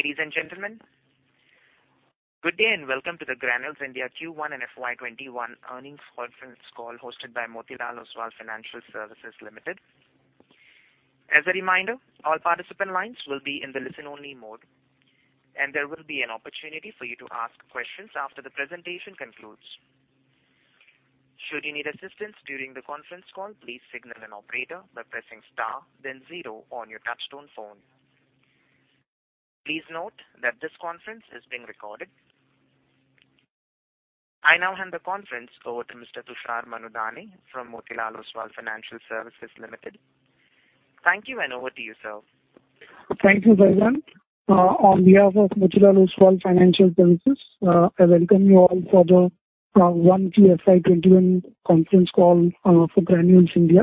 Ladies and gentlemen, good day and welcome to the Granules India Q1 and FY21 earnings conference call hosted by Motilal Oswal Financial Services Limited. As a reminder, all participant lines will be in the listen-only mode, there will be an opportunity for you to ask questions after the presentation concludes. Should you need assistance during the conference call, please signal an operator by pressing star then zero on your touchtone phone. Please note that this conference is being recorded. I now hand the conference over to Mr. Tushar Manudhane from Motilal Oswal Financial Services Limited. Thank you, and over to you, sir. Thank you, Sajan. On behalf of Motilal Oswal Financial Services, I welcome you all for the Q1 FY21 conference call for Granules India.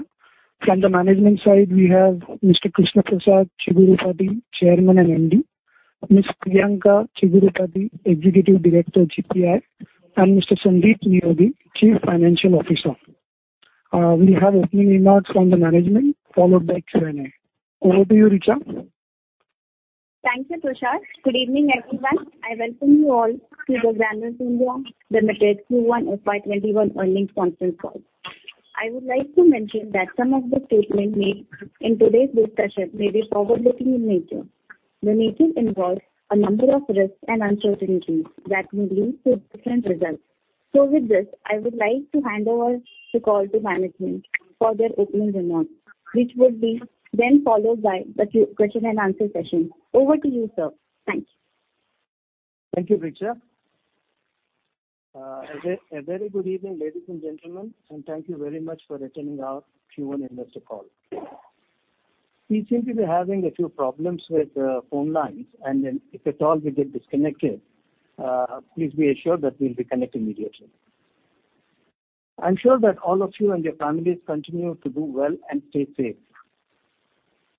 From the management side, we have Mr. Krishna Prasad Chigurupati, Chairman and MD, Ms. Priyanka Chigurupati, Executive Director, GPI, and Mr. Sandip Neogi, Chief Financial Officer. We have opening remarks from the management, followed by Q&A. Over to you, Richa. Thank you, Tushar. Good evening, everyone. I welcome you all to the Granules India Limited Q1 FY21 earnings conference call. I would like to mention that some of the statements made in today's discussion may be forward-looking in nature. The nature involves a number of risks and uncertainties that may lead to different results. So with this, I would like to hand over the call to management for their opening remarks, which will be then followed by the question and answer session. Over to you, sir. Thank you. Thank you, Richa. A very good evening, ladies and gentlemen, and thank you very much for attending our Q1 investor call. We seem to be having a few problems with the phone lines, if at all we get disconnected, please be assured that we'll reconnect immediately. I'm sure that all of you and your families continue to do well and stay safe.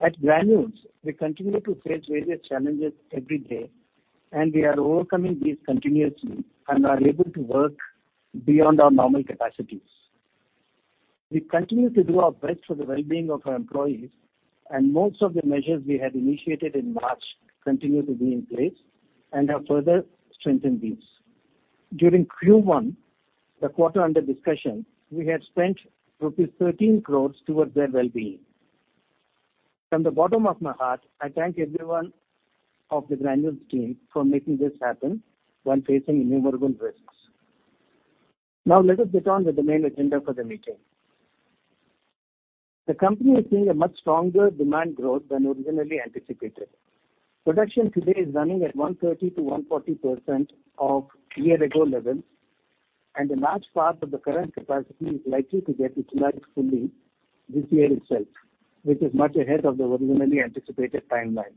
At Granules, we continue to face various challenges every day, we are overcoming these continuously and are able to work beyond our normal capacities. We continue to do our best for the well-being of our employees, most of the measures we had initiated in March continue to be in place and have further strengthened these. During Q1, the quarter under discussion, we had spent rupees 13 crores towards their well-being. From the bottom of my heart, I thank everyone of the Granules team for making this happen while facing innumerable risks. Let us get on with the main agenda for the meeting. The company is seeing a much stronger demand growth than originally anticipated. Production today is running at 130%-140% of year ago levels, and a large part of the current capacity is likely to get utilized fully this year itself, which is much ahead of the originally anticipated timeline.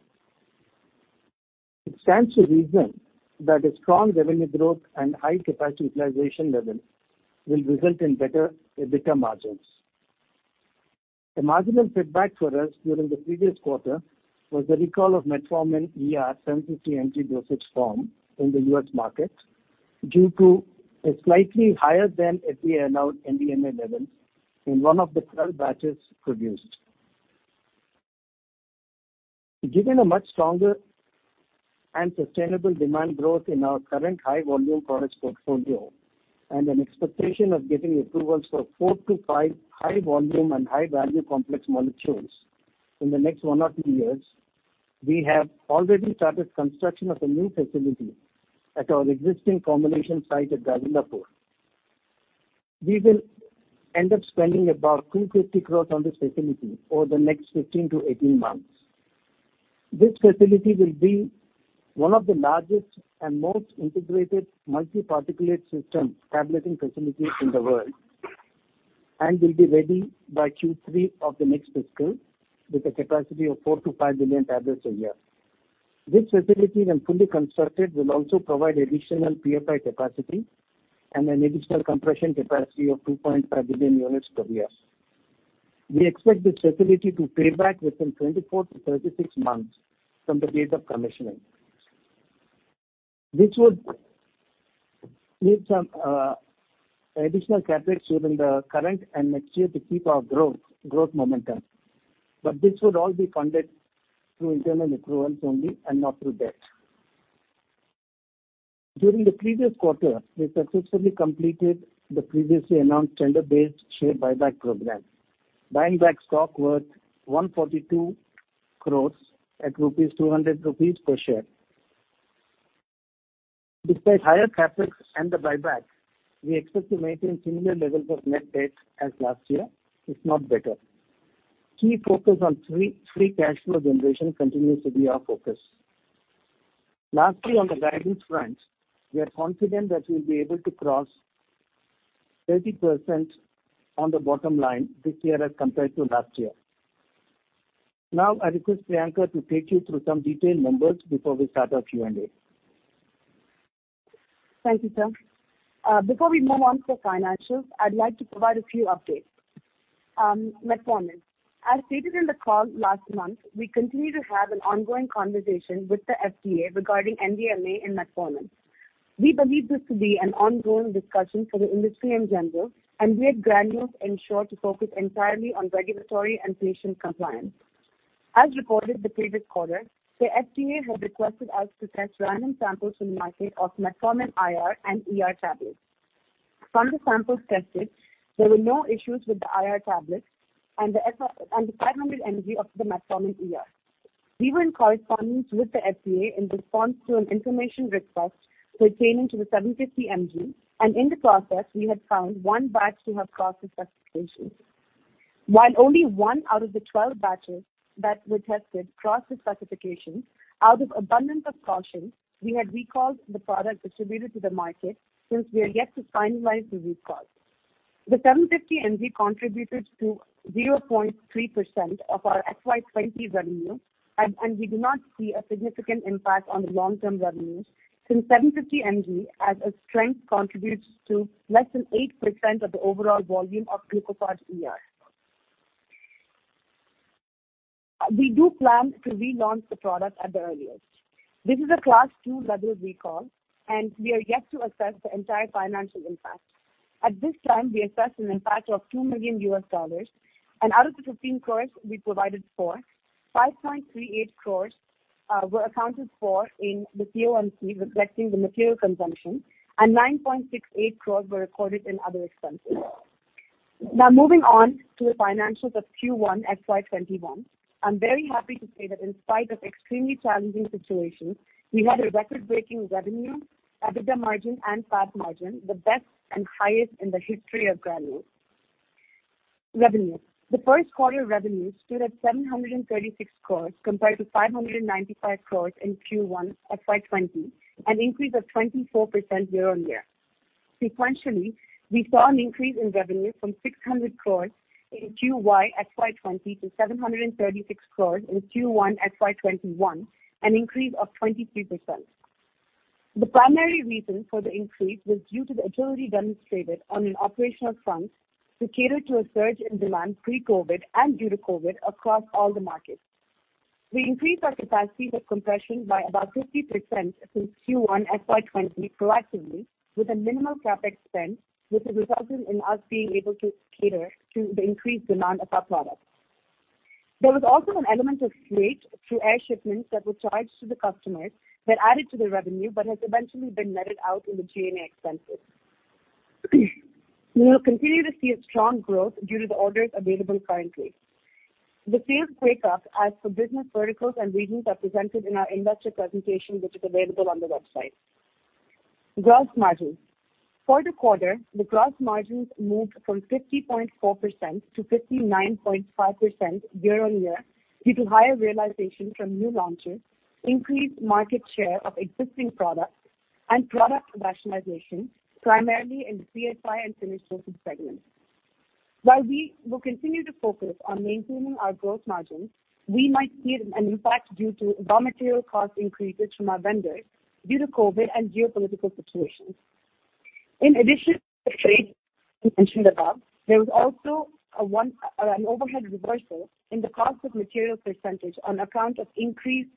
It stands to reason that a strong revenue growth and high capacity utilization level will result in better EBITDA margins. A marginal setback for us during the previous quarter was the recall of Metformin ER 750 mg dosage form in the U.S. market due to a slightly higher than FDA-announced NDMA levels in one of the 12 batches produced. Given a much stronger and sustainable demand growth in our current high volume products portfolio and an expectation of getting approvals for four to five high volume and high-value complex molecules in the next one or two years, we have already started construction of a new facility at our existing formulation site at Gagillapur. We will end up spending about 250 crores on this facility over the next 15 to 18 months. This facility will be one of the largest and most integrated multi-particulate system tableting facilities in the world and will be ready by Q3 of the next fiscal with a capacity of 4 to 5 billion tablets a year. This facility, when fully constructed, will also provide additional PFI capacity and an additional compression capacity of 2.5 billion units per year. We expect this facility to pay back within 24 to 36 months from the date of commissioning. This would need some additional CapEx during the current and next year to keep our growth momentum, but this would all be funded through internal accruals only and not through debt. During the previous quarter, we successfully completed the previously announced tender-based share buyback program, buying back stock worth 142 crores at 200 rupees per share. Despite higher CapEx and the buyback, we expect to maintain similar levels of net debt as last year, if not better. Key focus on free cash flow generation continues to be our focus. Lastly, on the guidance front, we are confident that we'll be able to cross 30% on the bottom line this year as compared to last year. I request Priyanka to take you through some detailed numbers before we start our Q&A. Thank you, sir. Before we move on to the financials, I'd like to provide a few updates. metformin. As stated in the call last month, we continue to have an ongoing conversation with the FDA regarding NDMA in metformin. We believe this to be an ongoing discussion for the industry in general, we at Granules ensure to focus entirely on regulatory and patient compliance. As reported the previous quarter, the FDA had requested us to test random samples from the market of metformin IR and ER tablets. From the samples tested, there were no issues with the IR tablets and the 500 mg of the metformin ER. We were in correspondence with the FDA in response to an information request pertaining to the 750 mg, in the process, we had found one batch to have crossed the specifications. While only one out of the 12 batches that were tested crossed the specifications, out of abundance of caution, we had recalled the product distributed to the market since we are yet to finalize the recall. The 750 mg contributed to 0.3% of our FY 2020 revenue, we do not see a significant impact on the long-term revenues since 750 mg, as a strength, contributes to less than 8% of the overall volume of Glucophage XR. We do plan to relaunch the product at the earliest. This is a Class II level recall, we are yet to assess the entire financial impact. At this time, we assess an impact of $2 million, out of the 15 crores we provided for, 5.38 crores were accounted for in the CO&C, reflecting the material consumption, 9.68 crores were recorded in other expenses. Moving on to the financials of Q1 FY 2021. I'm very happy to say that in spite of extremely challenging situations, we had a record-breaking revenue, EBITDA margin, and PAT margin, the best and highest in the history of Granules. Revenue. The first quarter revenue stood at 736 crores compared to 595 crores in Q1 FY 2020, an increase of 24% year-on-year. Sequentially, we saw an increase in revenue from 600 crores in QY FY 2020 to 736 crores in Q1 FY 2021, an increase of 23%. The primary reason for the increase was due to the agility demonstrated on an operational front to cater to a surge in demand pre-COVID and due to COVID across all the markets. We increased our capacity with compression by about 50% since Q1 FY 2020 proactively with a minimal CapEx spend, which has resulted in us being able to cater to the increased demand of our products. There was also an element of freight through air shipments that were charged to the customers that added to the revenue has eventually been netted out in the G&A expenses. We will continue to see a strong growth due to the orders available currently. The sales breakup as per business verticals and regions are presented in our investor presentation, which is available on the website. Gross margins. For the quarter, the gross margins moved from 50.4% to 59.5% year-on-year due to higher realization from new launches, increased market share of existing products, and product rationalization, primarily in CSI and finished dosage segments. While we will continue to focus on maintaining our gross margins, we might see an impact due to raw material cost increases from our vendors due to COVID and geopolitical situations. In addition to the freight we mentioned above, there was also an overhead reversal in the cost of material percentage on account of increase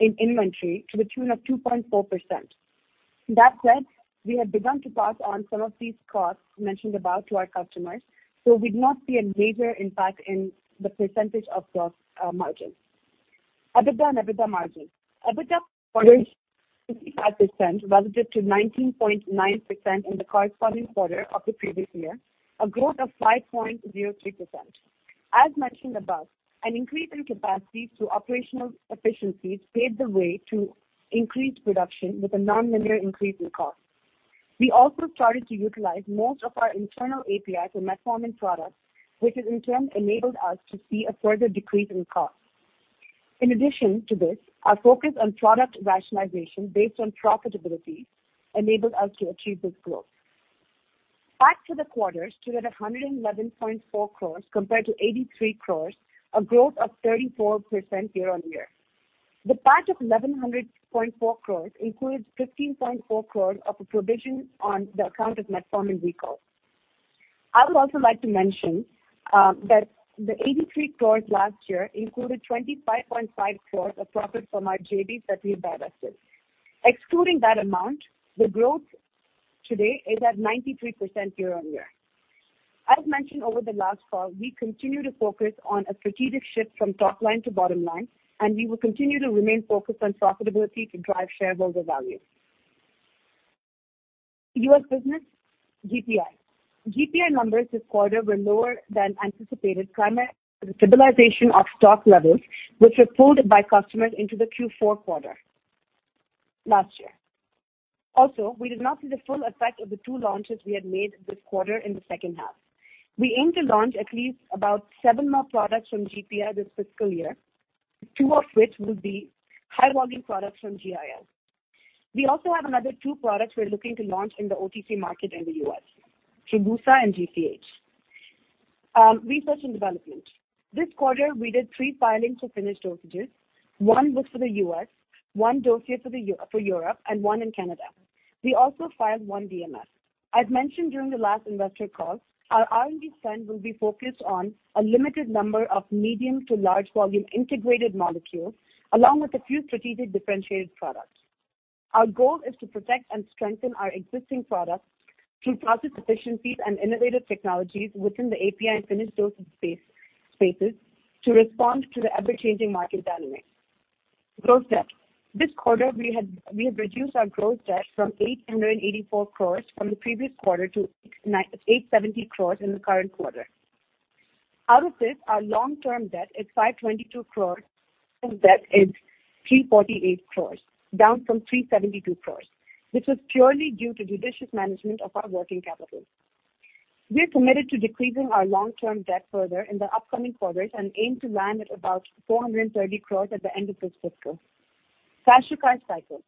in inventory to the tune of 2.4%. That said, we have begun to pass on some of these costs mentioned above to our customers, we'd not see a major impact in the percentage of gross margins. EBITDA and EBITDA margin. EBITDA for the quarter was 25.65% relative to 19.9% in the corresponding quarter of the previous year, a growth of 5.03%. As mentioned above, an increase in capacity through operational efficiencies paved the way to increase production with a non-linear increase in cost. We also started to utilize most of our internal API for metformin products, which in turn enabled us to see a further decrease in cost. In addition to this, our focus on product rationalization based on profitability enabled us to achieve this growth. PAT for the quarter stood at 111.4 crores compared to 83 crores, a growth of 34% year-on-year. The PAT of 1,100.4 crores includes 15.4 crores of a provision on the account of metformin recall. I would also like to mention that the 83 crores last year included 25.5 crores of profit from our JVs that we divested. Excluding that amount, the growth today is at 93% year-on-year. As mentioned over the last call, we continue to focus on a strategic shift from top line to bottom line, we will continue to remain focused on profitability to drive shareholder value. U.S. business, GPI. GPI numbers this quarter were lower than anticipated, primarily due to the stabilization of stock levels, which were pulled by customers into the Q4 quarter last year. Also, we did not see the full effect of the two launches we had made this quarter in the second half. We aim to launch at least about seven more products from GPI this fiscal year, two of which will be high volume products from GIL. We also have another two products we're looking to launch in the OTC market in the U.S., Tribusa and GCH. Research and development. This quarter, we did three filings for finished dosages. One was for the U.S., one dossier for Europe, and one in Canada. We also filed one DMF. As mentioned during the last investor call, our R&D spend will be focused on a limited number of medium to large volume integrated molecules, along with a few strategic differentiated products. Our goal is to protect and strengthen our existing products through process efficiencies and innovative technologies within the API and finished doses spaces to respond to the ever-changing market dynamics. Gross debt. This quarter, we have reduced our gross debt from 884 crores from the previous quarter to 870 crores in the current quarter. Out of this, our long-term debt is 522 crores and debt is 348 crores, down from 372 crores, which was purely due to judicious management of our working capital. We are committed to decreasing our long-term debt further in the upcoming quarters and aim to land at about 430 crores at the end of this fiscal. Cash to cash cycle.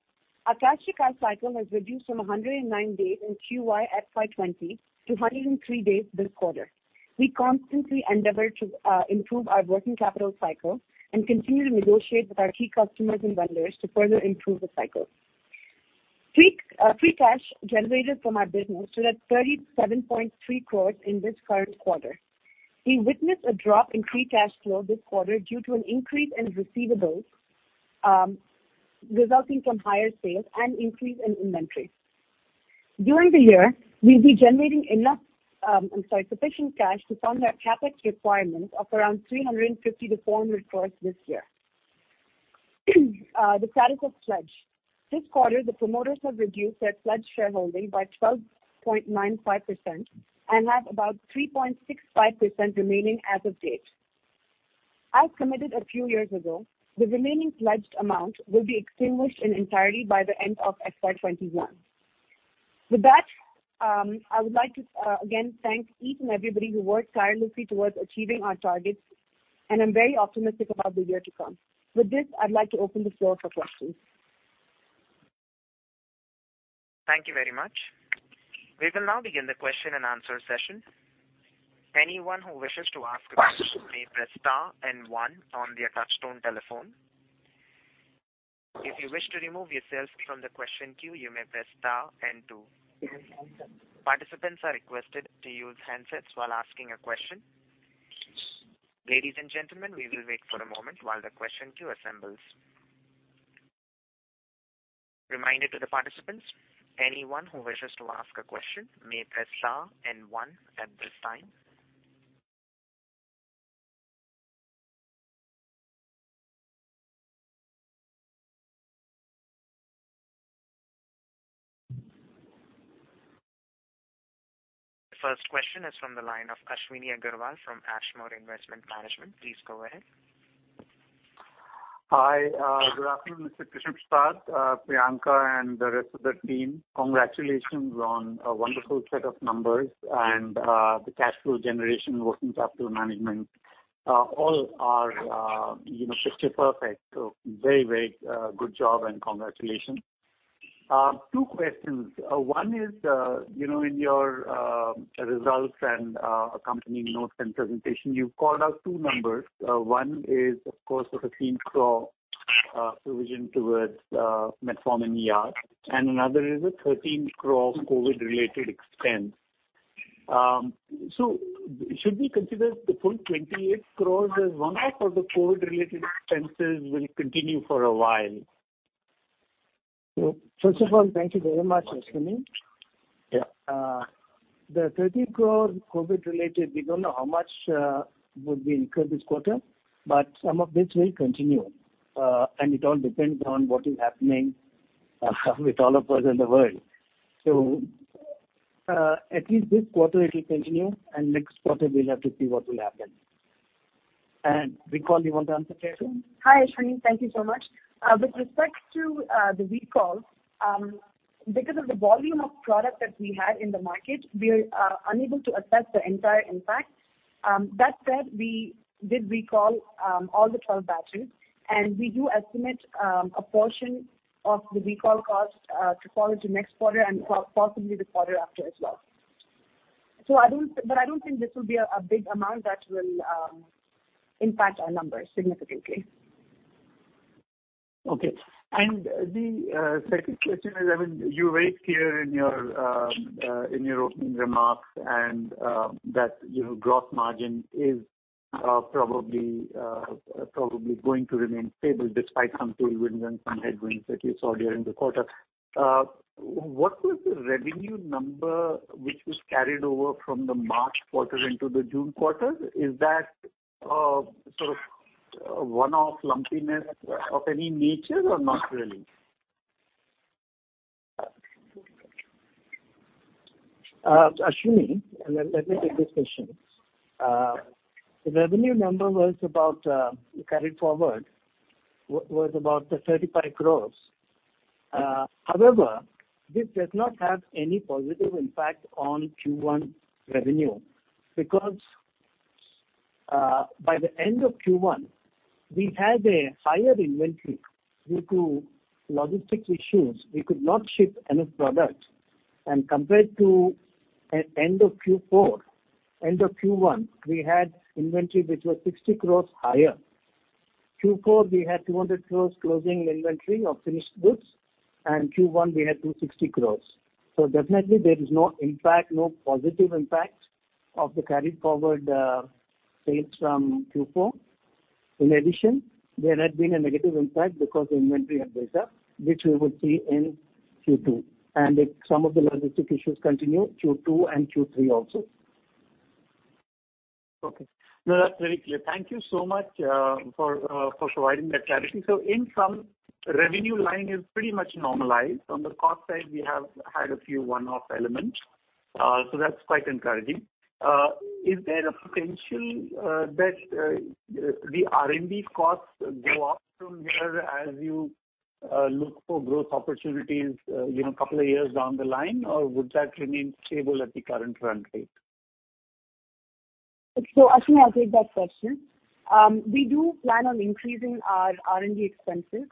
Our cash to cash cycle has reduced from 109 days in QY FY 2020 to 103 days this quarter. We constantly endeavor to improve our working capital cycle and continue to negotiate with our key customers and vendors to further improve the cycle. Free cash generated from our business stood at 37.3 crores in this current quarter. We witnessed a drop in free cash flow this quarter due to an increase in receivables, resulting from higher sales and increase in inventory. During the year, we'll be generating sufficient cash to fund our CapEx requirements of around 350 crores-400 crores this year. The status of pledge. This quarter, the promoters have reduced their pledged shareholding by 12.95% and have about 3.65% remaining as of date. As committed a few years ago, the remaining pledged amount will be extinguished in entirety by the end of FY 2021. With that, I would like to, again, thank each and everybody who worked tirelessly towards achieving our targets, and I'm very optimistic about the year to come. With this, I'd like to open the floor for questions. Thank you very much. We will now begin the question and answer session. Anyone who wishes to ask a question may press star and one on their touchtone telephone. If you wish to remove yourself from the question queue, you may press star and two. Participants are requested to use handsets while asking a question. Ladies and gentlemen, we will wait for a moment while the question queue assembles. Reminder to the participants, anyone who wishes to ask a question may press star and one at this time. The first question is from the line of Ashwini Agarwal from Ashmore Investment Management. Please go ahead. Hi. Good afternoon, Mr. Krishna Prasad, Priyanka, and the rest of the team. Congratulations on a wonderful set of numbers and the cash flow generation, working capital management. All are picture perfect. Very good job and congratulations. Two questions. One is, in your results and accompanying notes and presentation, you called out two numbers. One is, of course, the 15 crore provision towards metformin ER, and another is a 13 crore COVID-related expense. Should we consider the full 28 crores as one-off, or the COVID-related expenses will continue for a while? First of all, thank you very much, Ashwini. Yeah. The 13 crore COVID-related, we don't know how much would recur this quarter, but some of this will continue. It all depends on what is happening with all of us in the world. At least this quarter it will continue, and next quarter we'll have to see what will happen. Recall, you want to answer, Priyanka? Hi, Ashwini. Thank you so much. With respect to the recall, because of the volume of product that we had in the market, we are unable to assess the entire impact. That said, we did recall all the 12 batches, and we do estimate a portion of the recall cost to fall into next quarter and possibly the quarter after as well. I don't think this will be a big amount that will impact our numbers significantly. Okay. The second question is, you were very clear in your opening remarks and that your gross margin is probably going to remain stable despite some tailwinds and some headwinds that you saw during the quarter. What was the revenue number which was carried over from the March quarter into the June quarter? Is that sort of one-off lumpiness of any nature or not really? Ashwini, let me take this question. The revenue number carried forward was about 35 crores. However, this does not have any positive impact on Q1 revenue because by the end of Q1, we had a higher inventory due to logistics issues. We could not ship enough product, and compared to end of Q4, end of Q1, we had inventory which was 60 crores higher. Q4, we had 200 crores closing inventory of finished goods, and Q1 we had 260 crores. Definitely there is no positive impact of the carried forward sales from Q4. In addition, there has been a negative impact because of inventory buildup, which we will see in Q2. If some of the logistic issues continue, Q2 and Q3 also. Okay. No, that's very clear. Thank you so much for providing that clarity. In sum, revenue line is pretty much normalized. On the cost side, we have had a few one-off elements. That's quite encouraging. Is there a potential that the R&D costs go up from here as you look for growth opportunities couple of years down the line? Or would that remain stable at the current run rate? Ashwini, I'll take that question. We do plan on increasing our R&D expenses.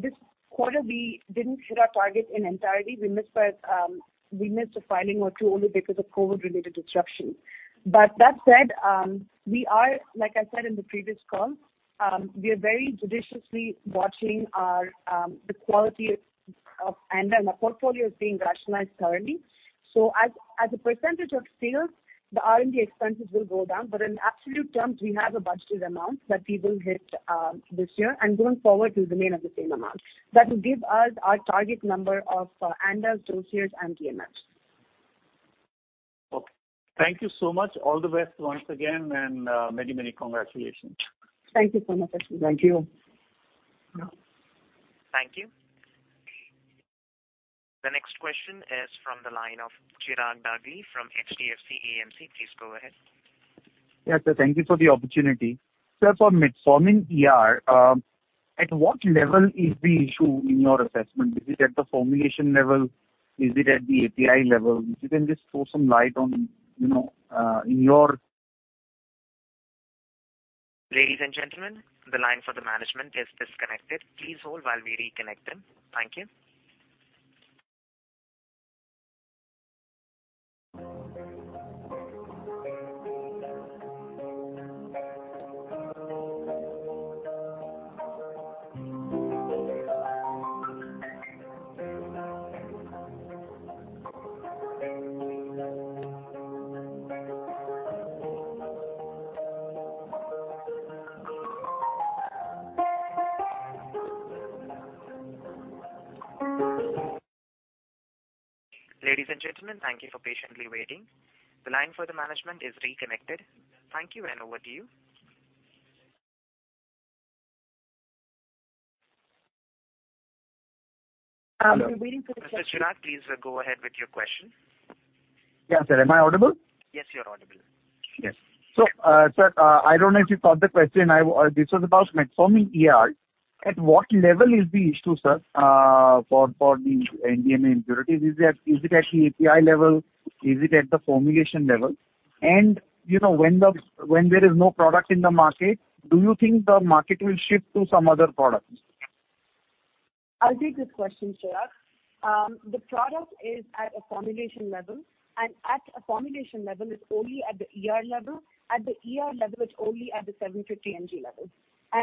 This quarter, we didn't hit our target in entirety. We missed a filing or two only because of COVID-related disruption. But that said, like I said in the previous call, we are very judiciously watching the quality of ANDA, and our portfolio is being rationalized currently. As a percentage of sales, the R&D expenses will go down, but in absolute terms, we have a budgeted amount that we will hit this year. Going forward, it will remain at the same amount. That will give us our target number of ANDAs, dossiers, and DMFs. Okay. Thank you so much. All the best once again, and many, many congratulations. Thank you so much, Ashwini. Thank you. Thank you. The next question is from the line of Chirag Dagli from HDFC AMC. Please go ahead. Sir, thank you for the opportunity. Sir, for metformin ER, at what level is the issue in your assessment? Is it at the formulation level? Is it at the API level? If you can just throw some light on your? Ladies and gentlemen, the line for the management is disconnected. Please hold while we reconnect them. Thank you. Ladies and gentlemen, thank you for patiently waiting. The line for the management is reconnected. Thank you, and over to you. We are waiting for the question. Mr. Chirag, please go ahead with your question. Yeah. Sir, am I audible? Yes, you're audible. Yes. Sir, I don't know if you caught the question. This was about metformin ER. At what level is the issue, sir, for the NDMA impurities? Is it at the API level? Is it at the formulation level? When there is no product in the market, do you think the market will shift to some other product? I'll take this question, Chirag. The product is at a formulation level. At a formulation level, it's only at the ER level. At the ER level, it's only at the 750 mg level.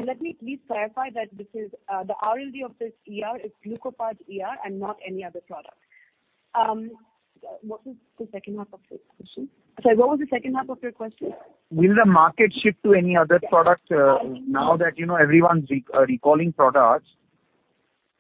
Let me please clarify that the RLD of this ER is Glucophage XR and not any other product. What was the second half of the question? Sorry, what was the second half of your question? Will the market shift to any other product now that everyone's recalling products?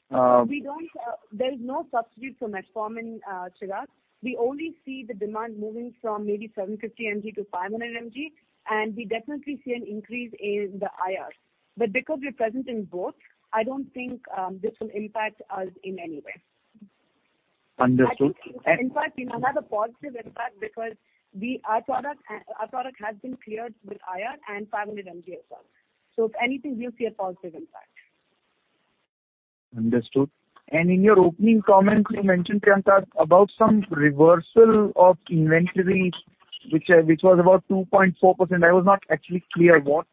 There is no substitute for metformin, Chirag. We only see the demand moving from maybe 750 mg to 500 mg, and we definitely see an increase in the IR. Because we're present in both, I don't think this will impact us in any way. Understood. In fact, it will have a positive impact because our product has been cleared with IR and 500 mg as well. If anything, we'll see a positive impact. Understood. In your opening comments, you mentioned, Priyanka about some reversal of inventory, which was about 2.4%. I was not actually clear what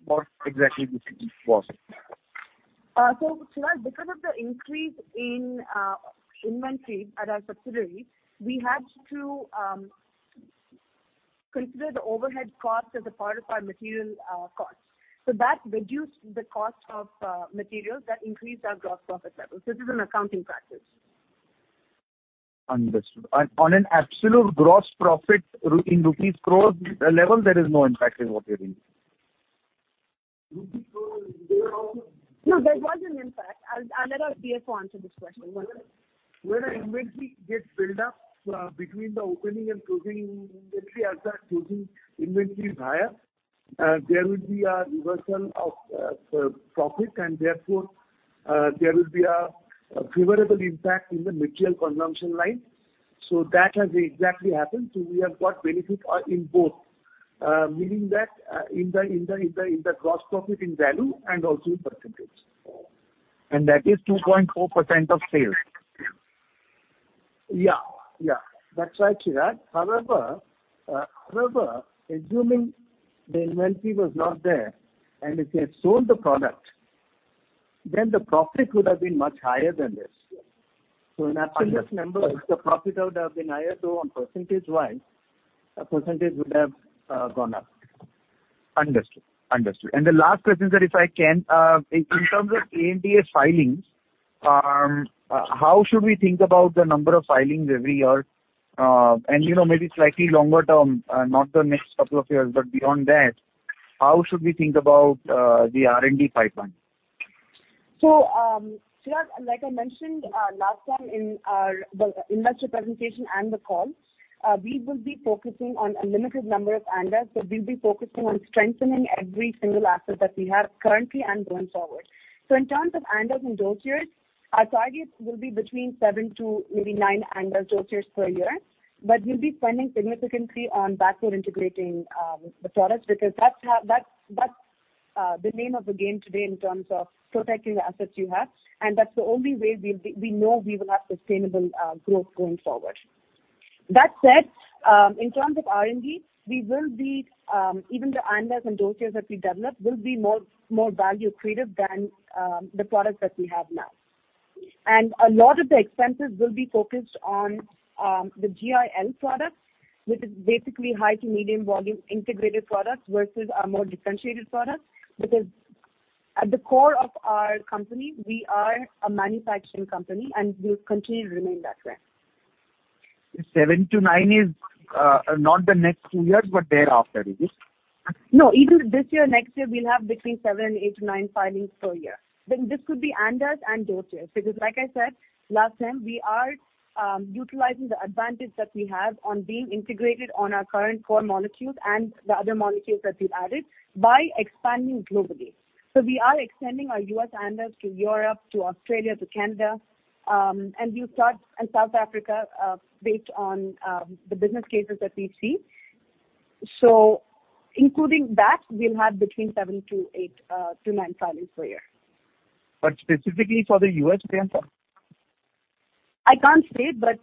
exactly this was. Chirag, because of the increase in inventory at our subsidiary, we had to consider the overhead cost as a part of our material cost. That reduced the cost of materials, that increased our gross profit level. This is an accounting practice. Understood. On an absolute gross profit in rupees crores level, there is no impact in what you're saying. Rupees crores No, there was an impact. I'll let our CFO answer this question. One second. When our inventory gets built up between the opening and closing inventory, as our closing inventory is higher, there will be a reversal of profit, and therefore, there will be a favorable impact in the material consumption line. That has exactly happened. We have got benefit in both, meaning that in the gross profit in value, and also in percentages. That is 2.4% of sales. Yeah. That's right, Chirag. However, assuming the inventory was not there, and if we had sold the product, then the profit would have been much higher than this. In absolute numbers, the profit would have been higher though on percentage-wise, the percentage would have gone up. Understood. The last question, sir, if I can. In terms of ANDAs filings, how should we think about the number of filings every year? Maybe slightly longer term, not the next couple of years, but beyond that, how should we think about the R&D pipeline? Chirag, like I mentioned last time in our investor presentation and the call, we will be focusing on a limited number of ANDAs, we'll be focusing on strengthening every single asset that we have currently and going forward. In terms of ANDAs and dossiers, our targets will be between seven to maybe nine ANDAs dossiers per year. We'll be spending significantly on backward integrating the products, because that's the name of the game today in terms of protecting the assets you have, and that's the only way we know we will have sustainable growth going forward. That said, in terms of R&D, even the ANDAs and dossiers that we develop will be more value creative than the products that we have now. A lot of the expenses will be focused on the GIL products, which is basically high to medium volume integrated products versus our more differentiated products. Because at the core of our company, we are a manufacturing company, and we'll continue to remain that way. Seven to nine is not the next two years, but thereafter, is it? No, even this year, next year, we'll have between seven, eight to nine filings per year. This could be ANDAs and DOTRs, because like I said last time, we are utilizing the advantage that we have on being integrated on our current core molecules and the other molecules that we've added by expanding globally. We are extending our U.S. ANDAs to Europe, to Australia, to Canada, and South Africa, based on the business cases that we see. Including that, we'll have between seven to eight, to nine filings per year. Specifically for the U.S., Priyanka? I can't say, but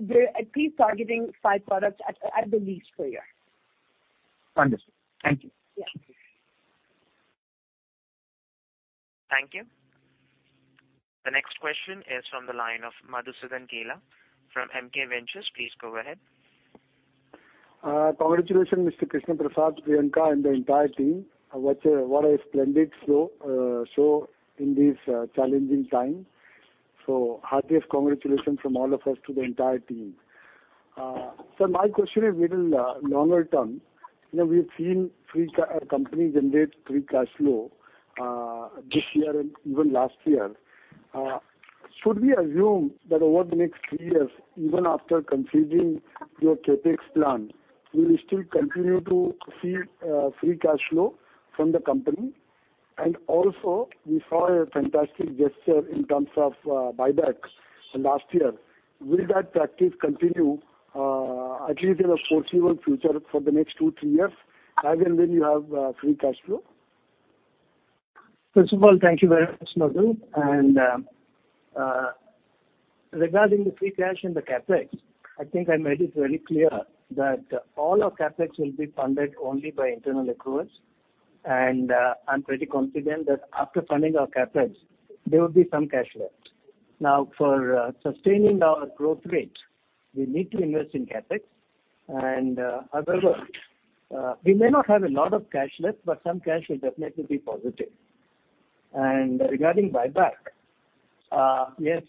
we're at least targeting five products at the least per year. Understood. Thank you. Yeah. Thank you. The next question is from the line of Madhusudan Kela from MK Ventures. Please go ahead. Congratulations, Mr. Krishna Prasad, Priyanka, and the entire team. What a splendid show in these challenging times. Heartiest congratulations from all of us to the entire team. Sir, my question is little longer term. We've seen company generate free cash flow this year and even last year. Should we assume that over the next three years, even after completing your CapEx plan, we will still continue to see free cash flow from the company? Also, we saw a fantastic gesture in terms of buybacks last year. Will that practice continue at least in the foreseeable future for the next two, three years, as and when you have free cash flow? First of all, thank you very much, Madhu. Regarding the free cash and the CapEx, I think I made it very clear that all our CapEx will be funded only by internal accruals, and I'm pretty confident that after funding our CapEx, there will be some cash left. For sustaining our growth rate, we need to invest in CapEx, however we may not have a lot of cash left, but some cash will definitely be positive. Regarding buyback, yes,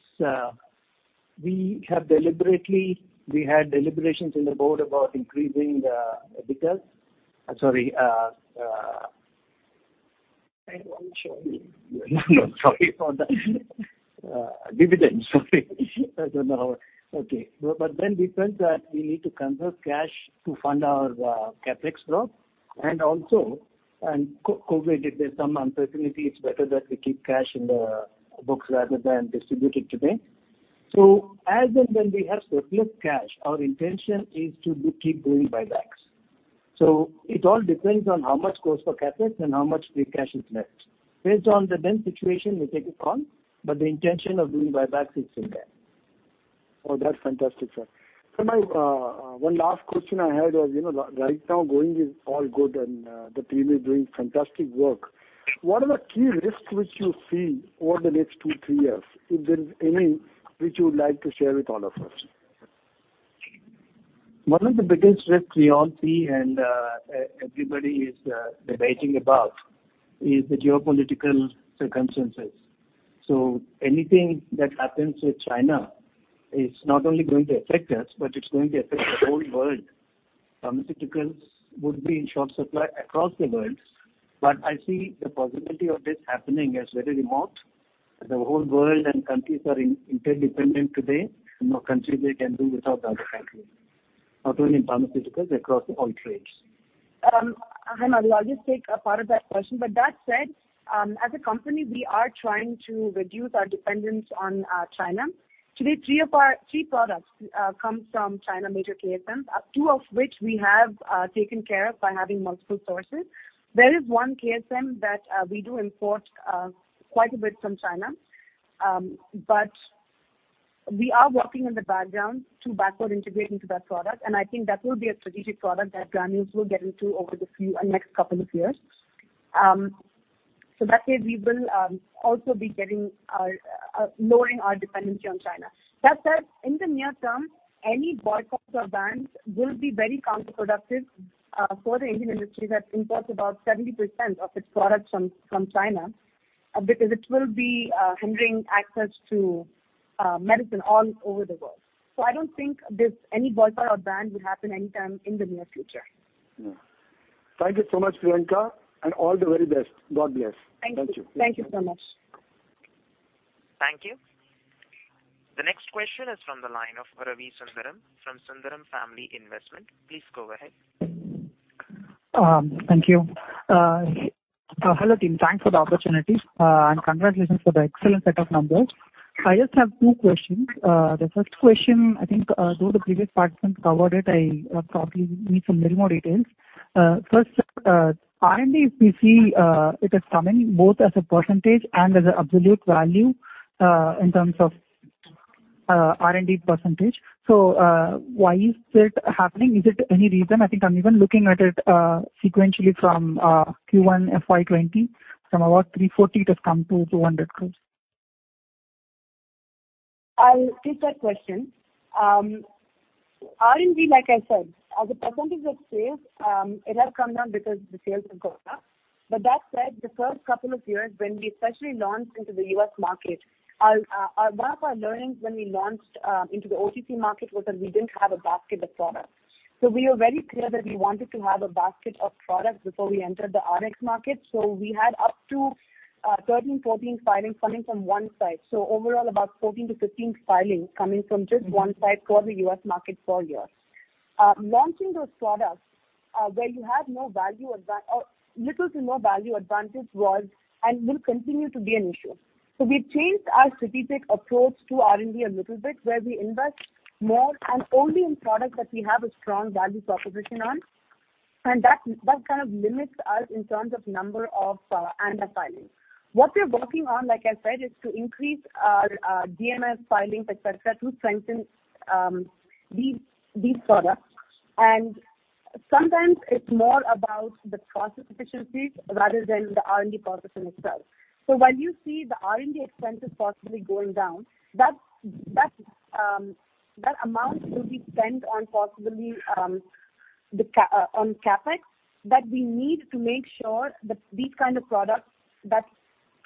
we had deliberations in the board about increasing the dividends. We felt that we need to conserve cash to fund our CapEx growth, and also COVID, if there's some uncertainty, it's better that we keep cash in the books rather than distribute it today. As and when we have surplus cash, our intention is to keep doing buybacks. It all depends on how much goes for CapEx and how much free cash is left. Based on the then situation, we'll take a call, the intention of doing buybacks is still there. That's fantastic, sir. Sir, one last question I had was, right now going is all good and the team is doing fantastic work. What are the key risks which you see over the next two, three years, if there is any which you would like to share with all of us? One of the biggest risks we all see and everybody is debating about is the geopolitical circumstances. Anything that happens with China is not only going to affect us, but it's going to affect the whole world. Pharmaceuticals would be in short supply across the world. I see the possibility of this happening as very remote. The whole world and countries are interdependent today. No country can do without the other country, not only in pharmaceuticals, across all trades. [Hemant, I'll just take a part of that question. That said, as a company, we are trying to reduce our dependence on China. Today, 3 products come from China, major KSMs, 2 of which we have taken care of by having multiple sources. There is one KSM that we do import quite a bit from China. We are working in the background to backward integrate into that product, and I think that will be a strategic product that Granules will get into over the next couple of years. That way, we will also be lowering our dependency on China. That said, in the near term, any boycotts or bans will be very counterproductive for the Indian industry that imports about 70% of its products from China, because it will be hindering access to medicine all over the world. I don't think any boycott or ban will happen anytime in the near future. Thank you so much, Priyanka. All the very best. God bless. Thank you. Thank you. Thank you so much. Thank you. The next question is from the line of Ravi Sundaram from Sundaram Family Investment. Please go ahead. Thank you. Hello, team. Thanks for the opportunity. Congratulations for the excellent set of numbers. I just have two questions. The first question, I think, though the previous participants covered it, I probably need some little more details. First, R&D, we see it is coming both as a percentage and as an absolute value, in terms of R&D percentage. Why is it happening? Is it any reason? I think I'm even looking at it sequentially from Q1 FY 2020, from about 340 it has come to 200 crores. I'll take that question. R&D, like I said, as a percentage of sales, it has come down because the sales have gone up. That said, the first couple of years when we especially launched into the U.S. market, one of our learnings when we launched into the OTC market was that we didn't have a basket of products. We were very clear that we wanted to have a basket of products before we entered the RX market. We had up to 13, 14 filings coming from one site. Overall, about 14 to 15 filings coming from just one site for the U.S. market for years. Launching those products, where you have little to no value advantage was, and will continue to be an issue. We changed our strategic approach to R&D a little bit, where we invest more and only in products that we have a strong value proposition on. That kind of limits us in terms of number of ANDA filings. What we're working on, like I said, is to increase our DMF filings, et cetera, to strengthen these products. Sometimes it's more about the process efficiencies rather than the R&D process in itself. While you see the R&D expenses possibly going down, that amount will be spent on possibly on CapEx. We need to make sure that these kind of products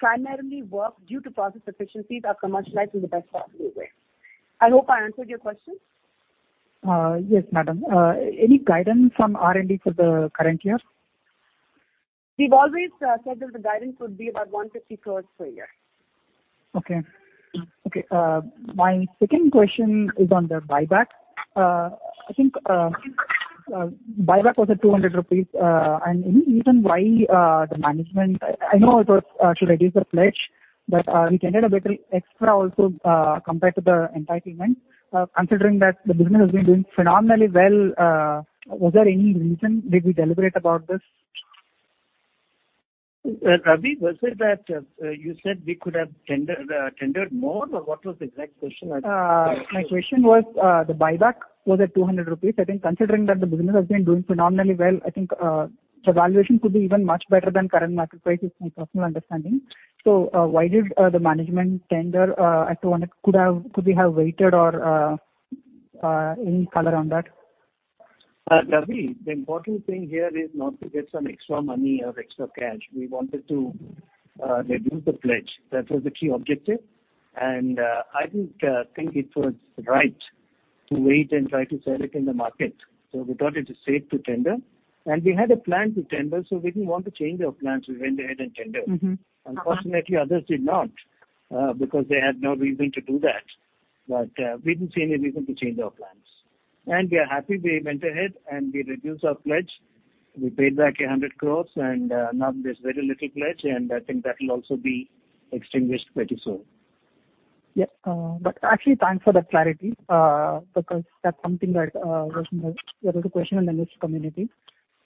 that primarily work due to process efficiencies are commercialized in the best possible way. I hope I answered your question. Yes, madam. Any guidance on R&D for the current year? We've always said that the guidance would be about 150 crores per year. Okay. My second question is on the buyback. I think buyback was at 200 rupees. Any reason why the management I know it was to reduce the pledge, but we tendered a little extra also, compared to the entitlement. Considering that the business has been doing phenomenally well, was there any reason? Did we deliberate about this? Ravi, was it that you said we could have tendered more, or what was the exact question? My question was, the buyback was at 200 rupees. I think considering that the business has been doing phenomenally well, I think the valuation could be even much better than current market price is my personal understanding. Why did the management tender at 200? Could we have waited or any color on that? Ravi, the important thing here is not to get some extra money or extra cash. We wanted to reduce the pledge. That was the key objective. I didn't think it was right to wait and try to sell it in the market. We thought it is safe to tender. We had a plan to tender, so we didn't want to change our plans. We went ahead and tendered. Unfortunately, others did not, because they had no reason to do that. We didn't see any reason to change our plans. We are happy we went ahead and we reduced our pledge. We paid back 100 crores and now there's very little pledge, and I think that'll also be extinguished pretty soon. Yeah. Actually, thanks for the clarity, because that's something that was a question in the investor community.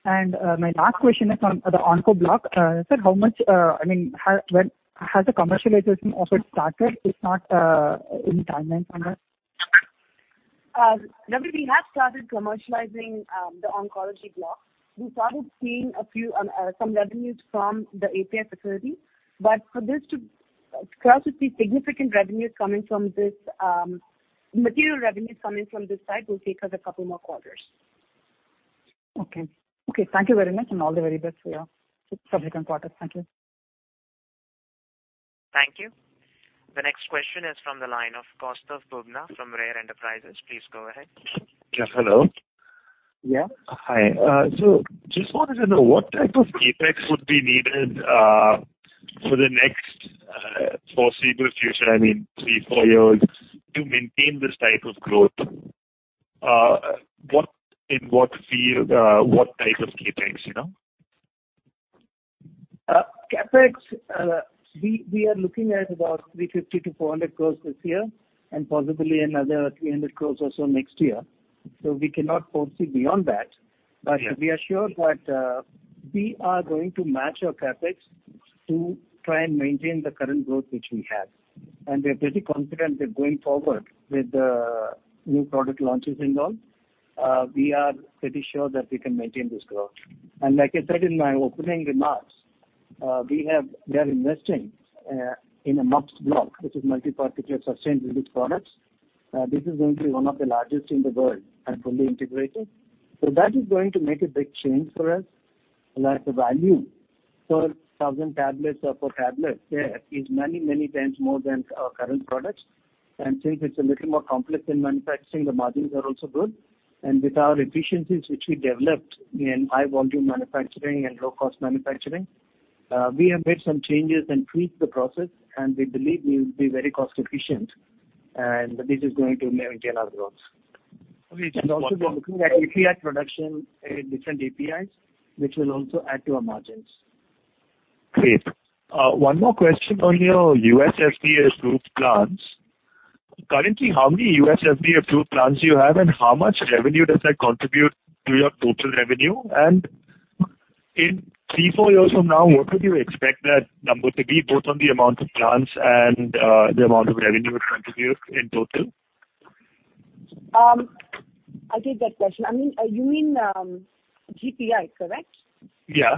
My last question is on the onco block. Sir, has the commercialization of it started? If not, any timeline on that? Ravi, we have started commercializing the oncology block. We started seeing some revenues from the API facility. For us to see significant material revenues coming from this side will take us a couple more quarters. Okay. Thank you very much, and all the very best for your subsequent quarters. Thank you. Thank you. The next question is from the line of Kaustav Bubna from Rare Enterprises. Please go ahead. Yes, hello. Yeah. Hi. Just wanted to know what type of CapEx would be needed for the next foreseeable future, three, four years, to maintain this type of growth. In what field, what type of CapEx? CapEx, we are looking at about 350-400 crores this year, and possibly another 300 crores or so next year. We cannot foresee beyond that. Yeah. We are sure that we are going to match our CapEx to try and maintain the current growth which we have. We are pretty confident that going forward with the new product launches and all. We are pretty sure that we can maintain this growth. Like I said in my opening remarks, we are investing in a MPS block, which is multi-particle sustained release products. This is going to be one of the largest in the world and fully integrated. That is going to make a big change for us. Like the value per thousand tablets or per tablet, there is many times more than our current products. Since it's a little more complex in manufacturing, the margins are also good. With our efficiencies which we developed in high volume manufacturing and low cost manufacturing, we have made some changes and tweaked the process, and we believe we will be very cost efficient, and this is going to maintain our growth. Okay, just one more. Also we are looking at API production in different APIs, which will also add to our margins. Great. One more question on your U.S. FDA approved plants. Currently, how many U.S. FDA approved plants do you have, and how much revenue does that contribute to your total revenue? In three, four years from now, what would you expect that number to be, both on the amount of plants and the amount of revenue it contributes in total? I take that question. You mean, GPI, correct? Yeah.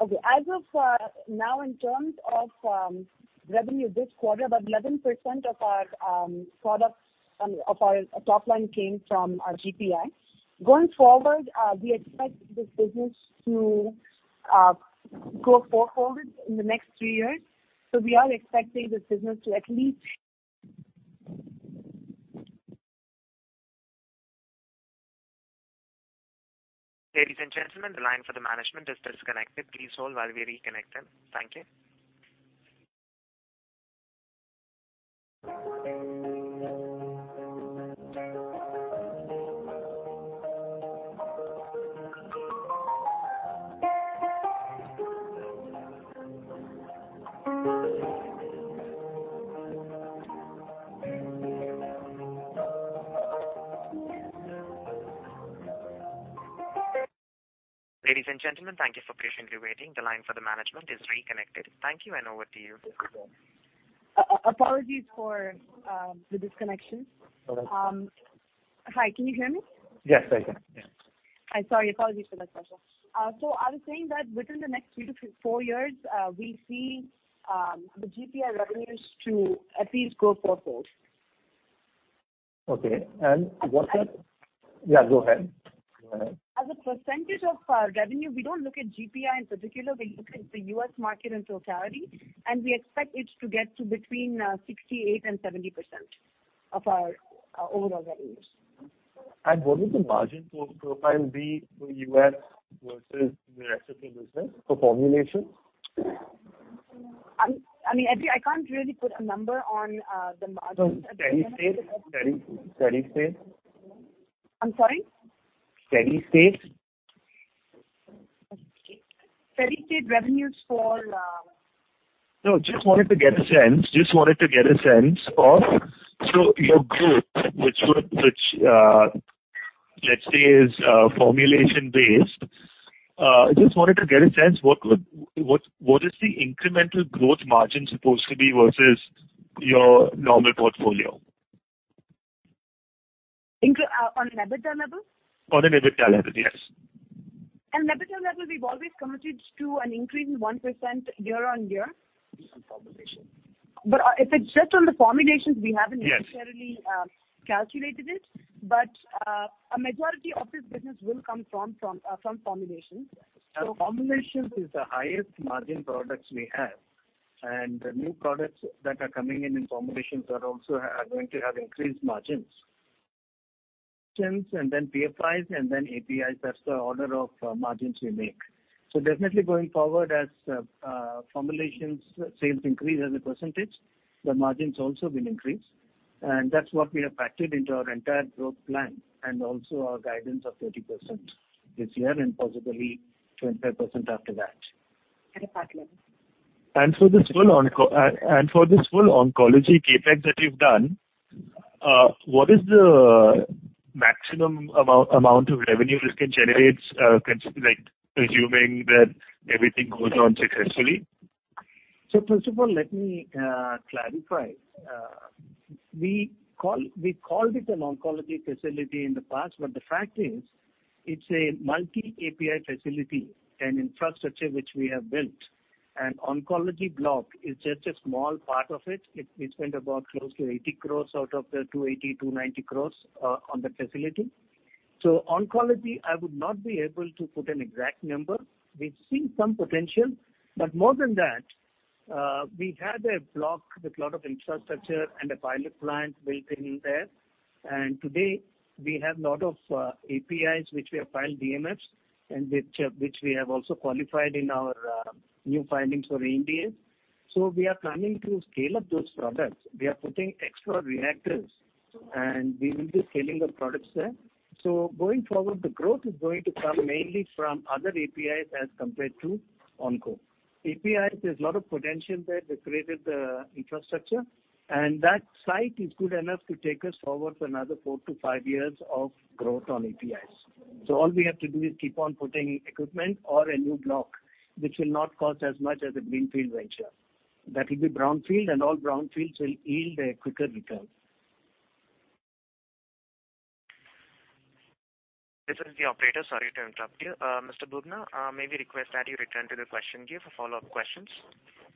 Okay. As of now, in terms of revenue this quarter, about 11% of our top line came from our GPI. Going forward, we expect this business to go fourfold in the next three years. We are expecting this business to at least Ladies and gentlemen, the line for the management is disconnected. Please hold while we reconnect them. Thank you. Ladies and gentlemen, thank you for patiently waiting. The line for the management is reconnected. Thank you, and over to you. Apologies for the disconnection. No worries. Hi, can you hear me? Yes, I can. Sorry. Apologies for that, Sir. I was saying that within the next three to four years, we see the GPI revenues to at least go fourfold. Okay. What's that? Yeah, go ahead. As a percentage of our revenue, we don't look at GPI in particular. We look at the U.S. market in totality, we expect it to get to between 68% and 70% of our overall revenues. What is the margin profile be for U.S. versus the rest of your business for formulation? I can't really put a number on the margin. Steady state? I'm sorry. Steady state. Okay. Steady state revenues for No, just wanted to get a sense. Your growth, which let's say is formulation based, I just wanted to get a sense, what is the incremental growth margin supposed to be versus your normal portfolio? On an EBITDA level? On an EBITDA level, yes. On EBITDA level, we've always committed to an increase in 1% year-on-year. Just on formulation. If it's just on the formulations, we haven't necessarily. Yes calculated it. A majority of this business will come from formulations. Formulations is the highest margin products we have, and new products that are coming in in formulations are going to have increased margins. PFIs, and then APIs, that's the order of margins we make. Definitely going forward as formulations sales increase as a percentage, the margins also will increase. That's what we have factored into our entire growth plan and also our guidance of 30% this year and possibly 25% after that. For this full oncology CapEx that you've done, what is the maximum amount of revenue this can generate, assuming that everything goes on successfully? First of all, let me clarify. We called it an oncology facility in the past, but the fact is, it's a multi-API facility and infrastructure which we have built. Oncology block is just a small part of it. We spent about close to 80 crores out of the 280-290 crores on that facility. Oncology, I would not be able to put an exact number. We've seen some potential, but more than that, we had a block with lot of infrastructure and a pilot plant built in there. Today we have lot of APIs which we have filed DMFs and which we have also qualified in our new filings for ANDA. We are planning to scale up those products. We are putting extra reactors, and we will be scaling the products there. Going forward, the growth is going to come mainly from other APIs as compared to onco. APIs, there's a lot of potential there. We created the infrastructure, and that site is good enough to take us forward for another four to five years of growth on APIs. All we have to do is keep on putting equipment or a new block, which will not cost as much as a greenfield venture. That will be brownfield, and all brownfields will yield a quicker return. This is the operator. Sorry to interrupt you. Mr. Bubna, may we request that you return to the question queue for follow-up questions?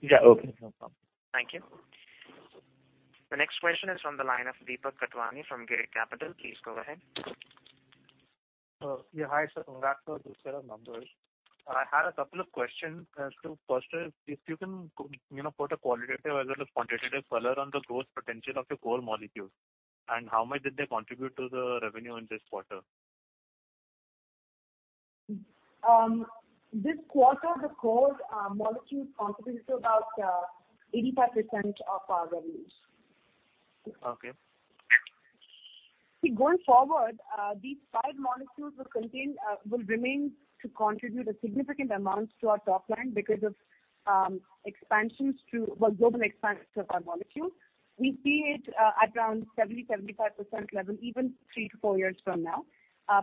Yeah, okay. No problem. Thank you. The next question is from the line of Deepak Khatwani from Girik Capital. Please go ahead. Hi, sir. Congrats on the set of numbers. I had a couple of questions. First is, if you can put a qualitative as well as quantitative color on the growth potential of your core molecules, and how much did they contribute to the revenue in this quarter? This quarter, the core molecules contributed to about 85% of our revenues. Okay. Going forward, these five molecules will remain to contribute a significant amount to our top line because of global expansions of our molecules. We see it at around 70%-75% level, even three to four years from now,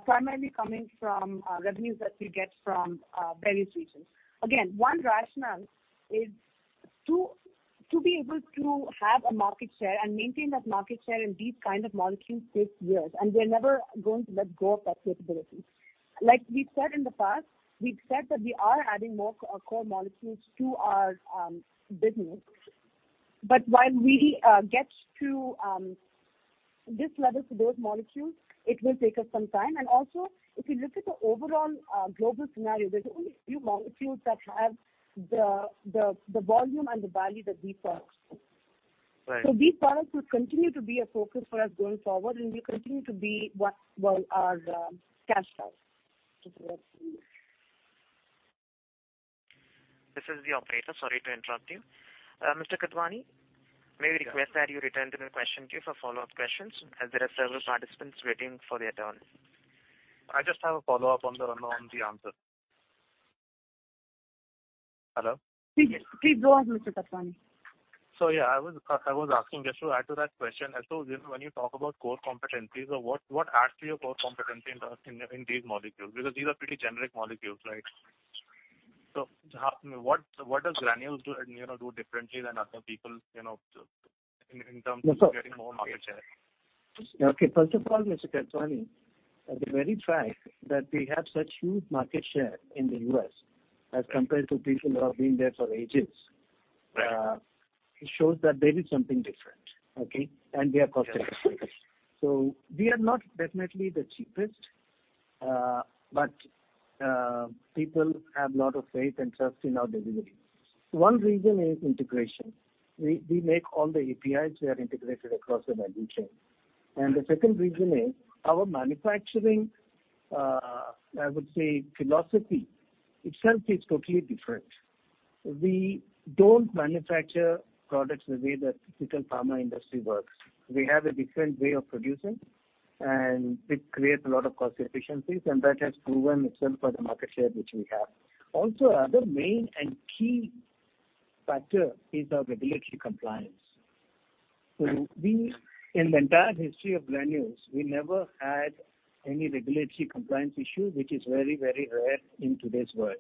primarily coming from revenues that we get from various regions. One rationale is to be able to have a market share and maintain that market share in these kind of molecules takes years, and we're never going to let go of that capability. Like we've said in the past, we've said that we are adding more core molecules to our business. While we get to this level for those molecules, it will take us some time. Also, if you look at the overall global scenario, there's only a few molecules that have the volume and the value that we produce. Right. These products will continue to be a focus for us going forward, and will continue to be our cash cows. This is the operator. Sorry to interrupt you. Mr. Khatwani, may we request that you return to the question queue for follow-up questions, as there are several participants waiting for their turn? I just have a follow-up on the answer. Hello? Please go on, Mr. Khatwani. Yeah, I was asking just to add to that question as to when you talk about core competencies or what adds to your core competency in these molecules, because these are pretty generic molecules, right? What does Granules do differently than other people in terms of getting more market share? First of all, Mr. Khatwani, the very fact that we have such huge market share in the U.S. as compared to people who have been there for ages- Right shows that they did something different. We are cost-effective. We are not definitely the cheapest, but people have a lot of faith and trust in our delivery. One reason is integration. We make all the APIs, we are integrated across the value chain. The second reason is our manufacturing, I would say, philosophy itself is totally different. We don't manufacture products the way that typical pharma industry works. We have a different way of producing, and it creates a lot of cost efficiencies, and that has proven itself for the market share which we have. Another main and key factor is our regulatory compliance. Right. In the entire history of Granules, we never had any regulatory compliance issue, which is very rare in today's world.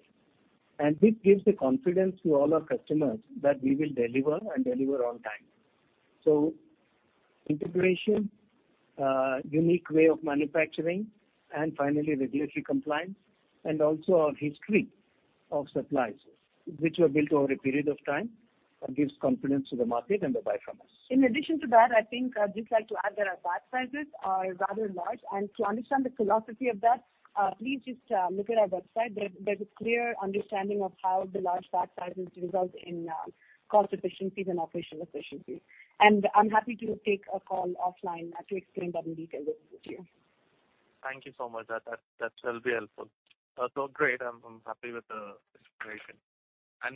This gives the confidence to all our customers that we will deliver and deliver on time. Integration, unique way of manufacturing, and finally, regulatory compliance, and also our history of supplies, which were built over a period of time, gives confidence to the market and they buy from us. In addition to that, I think I'd just like to add that our batch sizes are rather large. To understand the philosophy of that, please just look at our website. There's a clear understanding of how the large batch sizes result in cost efficiencies and operational efficiencies. I'm happy to take a call offline to explain that in detail with you. Thank you so much. That will be helpful. Great. I'm happy with the integration.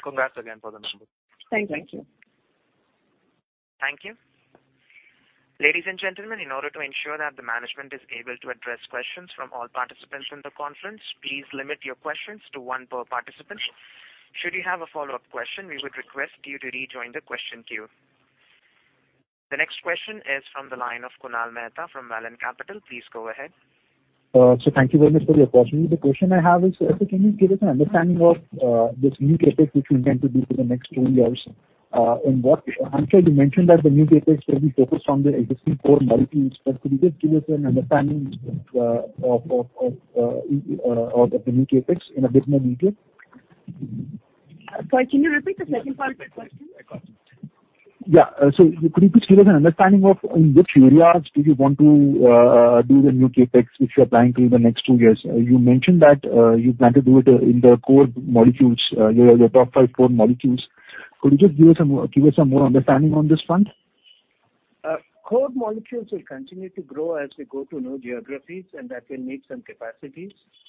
Congrats again for the numbers. Thank you. Thank you. Thank you. Ladies and gentlemen, in order to ensure that the management is able to address questions from all participants in the conference, please limit your questions to one per participant. Should you have a follow-up question, we would request you to rejoin the question queue. The next question is from the line of Kunal Mehta from Vallum Capital. Please go ahead. Thank you very much for your question. The question I have is, can you give us an understanding of this new CapEx, which you intend to do for the next two years? I'm sure you mentioned that the new CapEx will be focused on the existing core molecules. Could you just give us an understanding of the new CapEx in a bit more detail? Sorry, can you repeat the second part of the question? Yeah. Could you please give us an understanding of in which areas do you want to do the new CapEx, which you're planning through the next two years? You mentioned that you plan to do it in the core molecules, your top five core molecules. Could you just give us some more understanding on this front? Core molecules will continue to grow as we go to new geographies, that will need some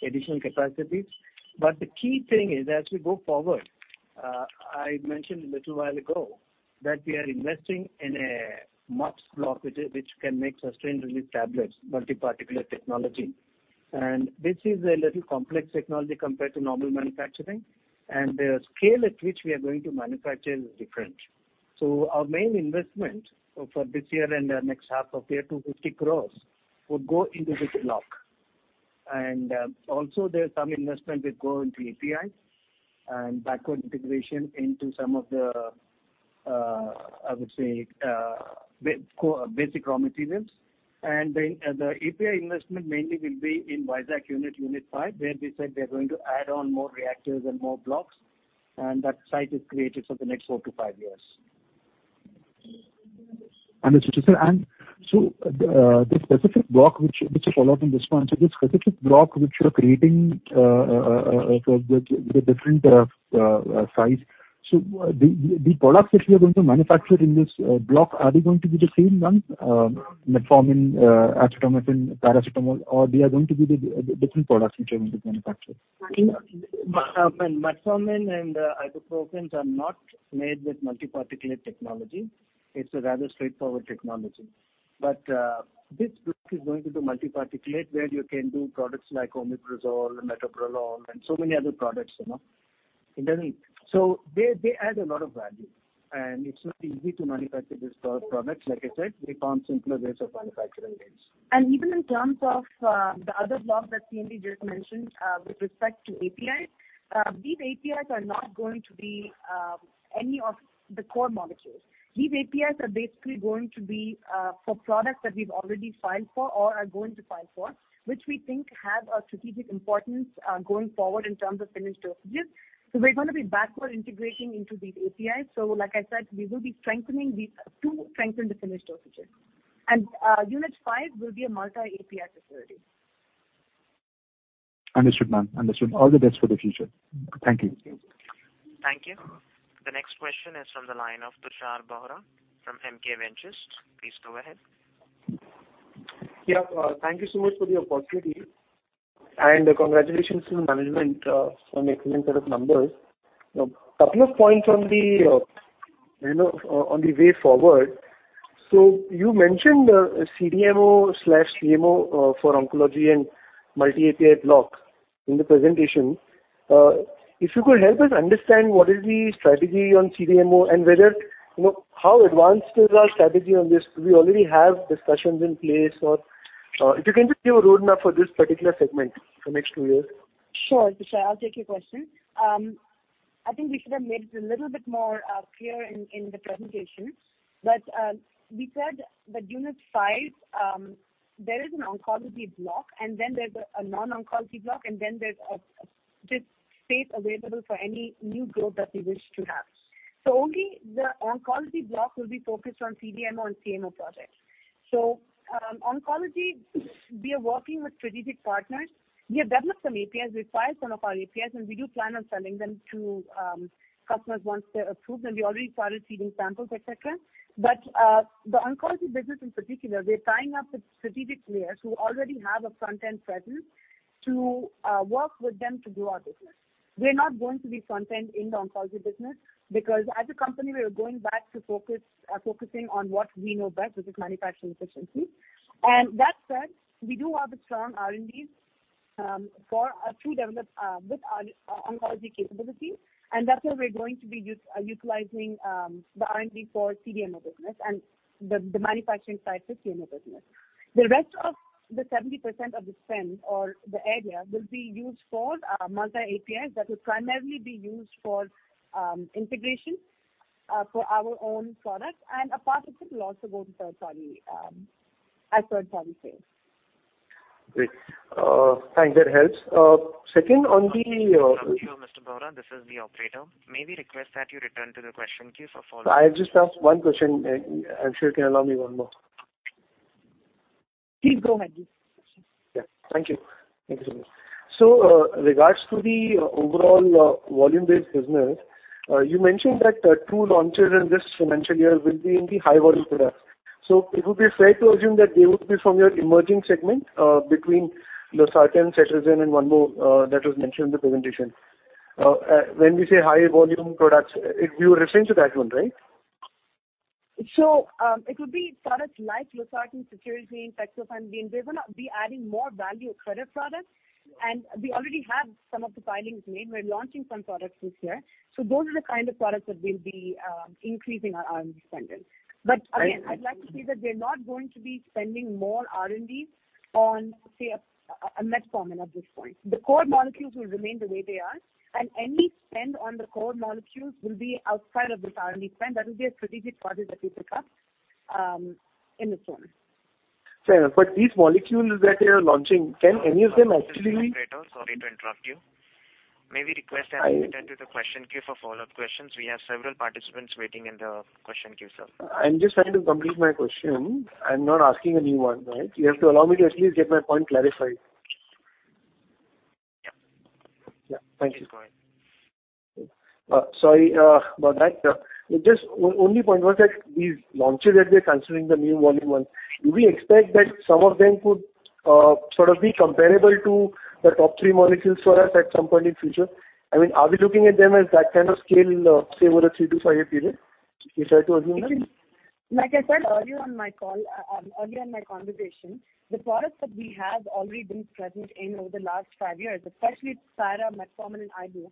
additional capacities. The key thing is, as we go forward, I mentioned a little while ago that we are investing in a MUPS block, which can make sustained release tablets, multi-particulate technology. This is a little complex technology compared to normal manufacturing, the scale at which we are going to manufacture is different. Our main investment for this year and the next half of year, 250 crore, would go into this block. Also there's some investment which go into API and backward integration into some of the, I would say, basic raw materials. The API investment mainly will be in Vizag unit 5, where we said we are going to add on more reactors and more blocks, that site is created for the next four to five years. Understood, sir. This specific block which you are creating for the different sites. The products which you are going to manufacture in this block, are they going to be the same ones, metformin, acetaminophen, paracetamol, or they are going to be the different products which you are going to manufacture? metformin and ibuprofen are not made with multi-particulate technology. It's a rather straightforward technology. This block is going to do multi-particulate where you can do products like omeprazole and metoprolol and so many other products. They add a lot of value, it's not easy to manufacture these products. Like I said, they come to us because of manufacturing base. Even in terms of the other block that CMD just mentioned, with respect to APIs, these APIs are not going to be any of the core molecules. These APIs are basically going to be for products that we've already filed for or are going to file for, which we think have a strategic importance going forward in terms of finished dosages. We're going to be backward integrating into these APIs. Like I said, we will be strengthening these to strengthen the finished dosages. Unit 5 will be a multi-API facility. Understood, ma'am. Understood. All the best for the future. Thank you. Thank you. The next question is from the line of Tushar Bohra from MK Ventures. Please go ahead. Thank you so much for the opportunity, and congratulations to the management on excellent set of numbers. A couple of points on the way forward. You mentioned CDMO/CMO for oncology and multi-API block in the presentation. If you could help us understand what is the strategy on CDMO and how advanced is our strategy on this? Do we already have discussions in place? If you can just give a roadmap for this particular segment for next two years. Sure, Tushar. I'll take your question. I think we should have made it a little bit more clear in the presentation. We said that unit 5 there is an oncology block, then there's a non-oncology block, then there's just space available for any new growth that we wish to have. Only the oncology block will be focused on CDMO and CMO projects. Oncology, we are working with strategic partners. We have developed some APIs. We filed some of our APIs, and we do plan on selling them to customers once they're approved, and we already started receiving samples, et cetera. The oncology business in particular, we are tying up with strategic players who already have a front-end presence to work with them to do our business. We're not going to be front-end in the oncology business because as a company, we are going back to focusing on what we know best, which is manufacturing efficiency. That said, we do have a strong R&D with our oncology capabilities, and that's where we're going to be utilizing the R&D for CDMO business and the manufacturing side for CMO business. The rest of the 70% of the spend or the area will be used for multi APIs that will primarily be used for integration for our own products and a part of it will also go to third party sales. Great. Thanks. That helps. Mr. Bohra, this is the operator. May we request that you return to the question queue for follow up. I just asked one question. I'm sure you can allow me one more. Please go ahead. Yeah. Thank you. Thank you so much. Regards to the overall volume-based business, you mentioned that two launches in this financial year will be in the high volume products. It would be fair to assume that they would be from your emerging segment between losartan, cetirizine and one more that was mentioned in the presentation. When we say high volume products, you are referring to that one, right? It would be products like losartan, cetirizine, dextroamphetamine. We will not be adding more value credit products. We already have some of the filings made. We're launching some products this year. Those are the kind of products that will be increasing our R&D spend in. Again, I'd like to say that we're not going to be spending more R&D on, say, a metformin at this point. The core molecules will remain the way they are, and any spend on the core molecules will be outside of this R&D spend. That will be a strategic project that we pick up in its own. These molecules that you are launching, can any of them actually be- Sorry to interrupt you. May we request that you return to the question queue for follow-up questions. We have several participants waiting in the question queue, sir. I'm just trying to complete my question. I'm not asking a new one. You have to allow me to at least get my point clarified. Yeah. Yeah. Thank you. Please go ahead. Sorry about that. The only point was that these launches that they're considering, the new volume ones, do we expect that some of them could sort of be comparable to the top three molecules for us at some point in future? Are we looking at them as that kind of scale, say, over a three to five-year period? Is it fair to assume that? Like I said earlier in my conversation, the products that we have already been present in over the last five years, especially Cyra, metformin, and Ibu,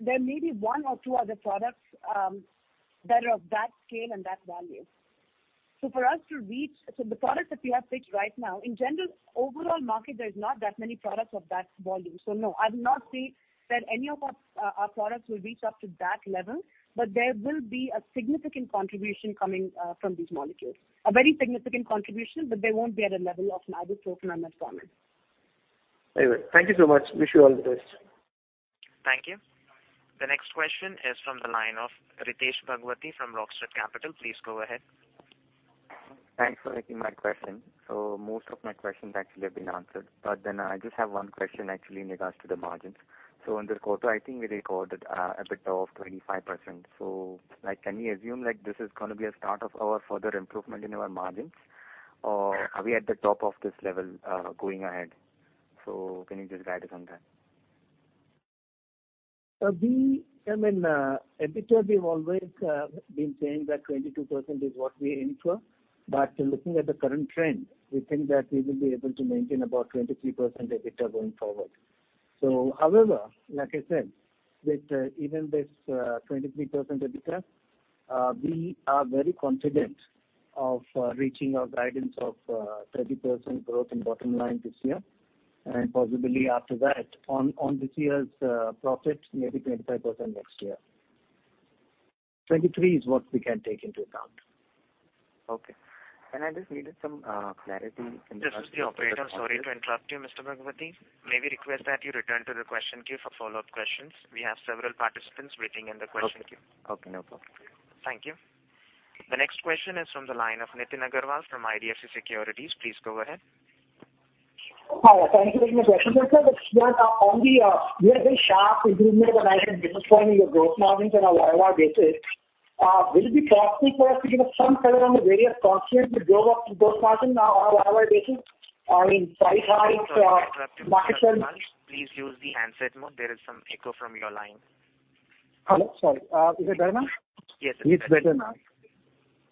there may be one or two other products that are of that scale and that value. The products that we have pitched right now, in general, overall market, there's not that many products of that volume. No, I will not say that any of our products will reach up to that level, but there will be a significant contribution coming from these molecules. A very significant contribution, but they won't be at a level of neither [Trofin] nor metformin. Very well. Thank you so much. Wish you all the best. Thank you. The next question is from the line of Ritesh Bhagwati from Rockstreet Capital. Please go ahead. Thanks for taking my question. Most of my questions actually have been answered. I just have one question actually in regards to the margins. In this quarter, I think we recorded EBITDA of 25%. Can we assume that this is going to be a start of our further improvement in our margins? Or are we at the top of this level going ahead? Can you just guide us on that? EBITDA, we've always been saying that 22% is what we aim for. Looking at the current trend, we think that we will be able to maintain about 23% EBITDA going forward. However, like I said, that even this 23% EBITDA, we are very confident of reaching our guidance of 30% growth in bottom line this year, and possibly after that, on this year's profit, maybe 25% next year. 23 is what we can take into account. Okay. I just needed some clarity in regards to- This is the operator. Sorry to interrupt you, Mr. Bhagwati. May we request that you return to the question queue for follow-up questions. We have several participants waiting in the question queue. Okay, no problem. Thank you. The next question is from the line of Nitin Agarwal from IDFC Securities. Please go ahead. Hi. Thank you very much. we have a sharp improvement when I can define your gross margins on a YOY basis. Will it be possible for us to give some color on the various constituents to drove up the gross margin on a YOY basis? I mean. Sorry to interrupt you, Mr. Agarwal. Please use the handset mode. There is some echo from your line. Hello, sorry. Is it better now? Yes. It's better now.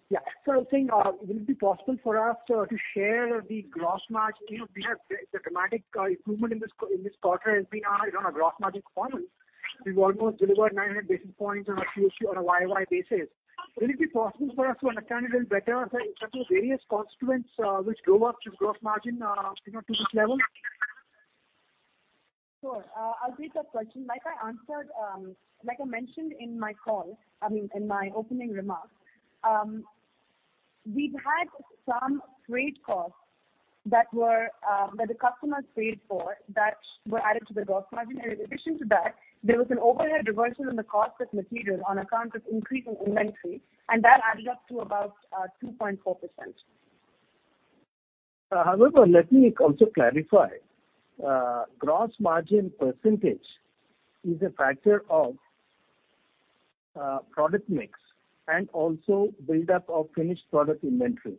Yeah. I was saying, will it be possible for us to share the gross margin? We have a dramatic improvement in this quarter as we are on a gross margin front. We've almost delivered 900 basis points on a QOQ on a YOY basis. Will it be possible for us to understand a little better in terms of various constituents which drove up the gross margin to this level? Sure. I'll take that question. Like I mentioned in my call, I mean, in my opening remarks, we've had some freight costs that the customers paid for that were added to the gross margin. In addition to that, there was an overhead reversal in the cost of materials on account of increasing inventory, and that added up to about 2.4%. However, let me also clarify. Gross margin percentage is a factor of product mix and also build-up of finished product inventory.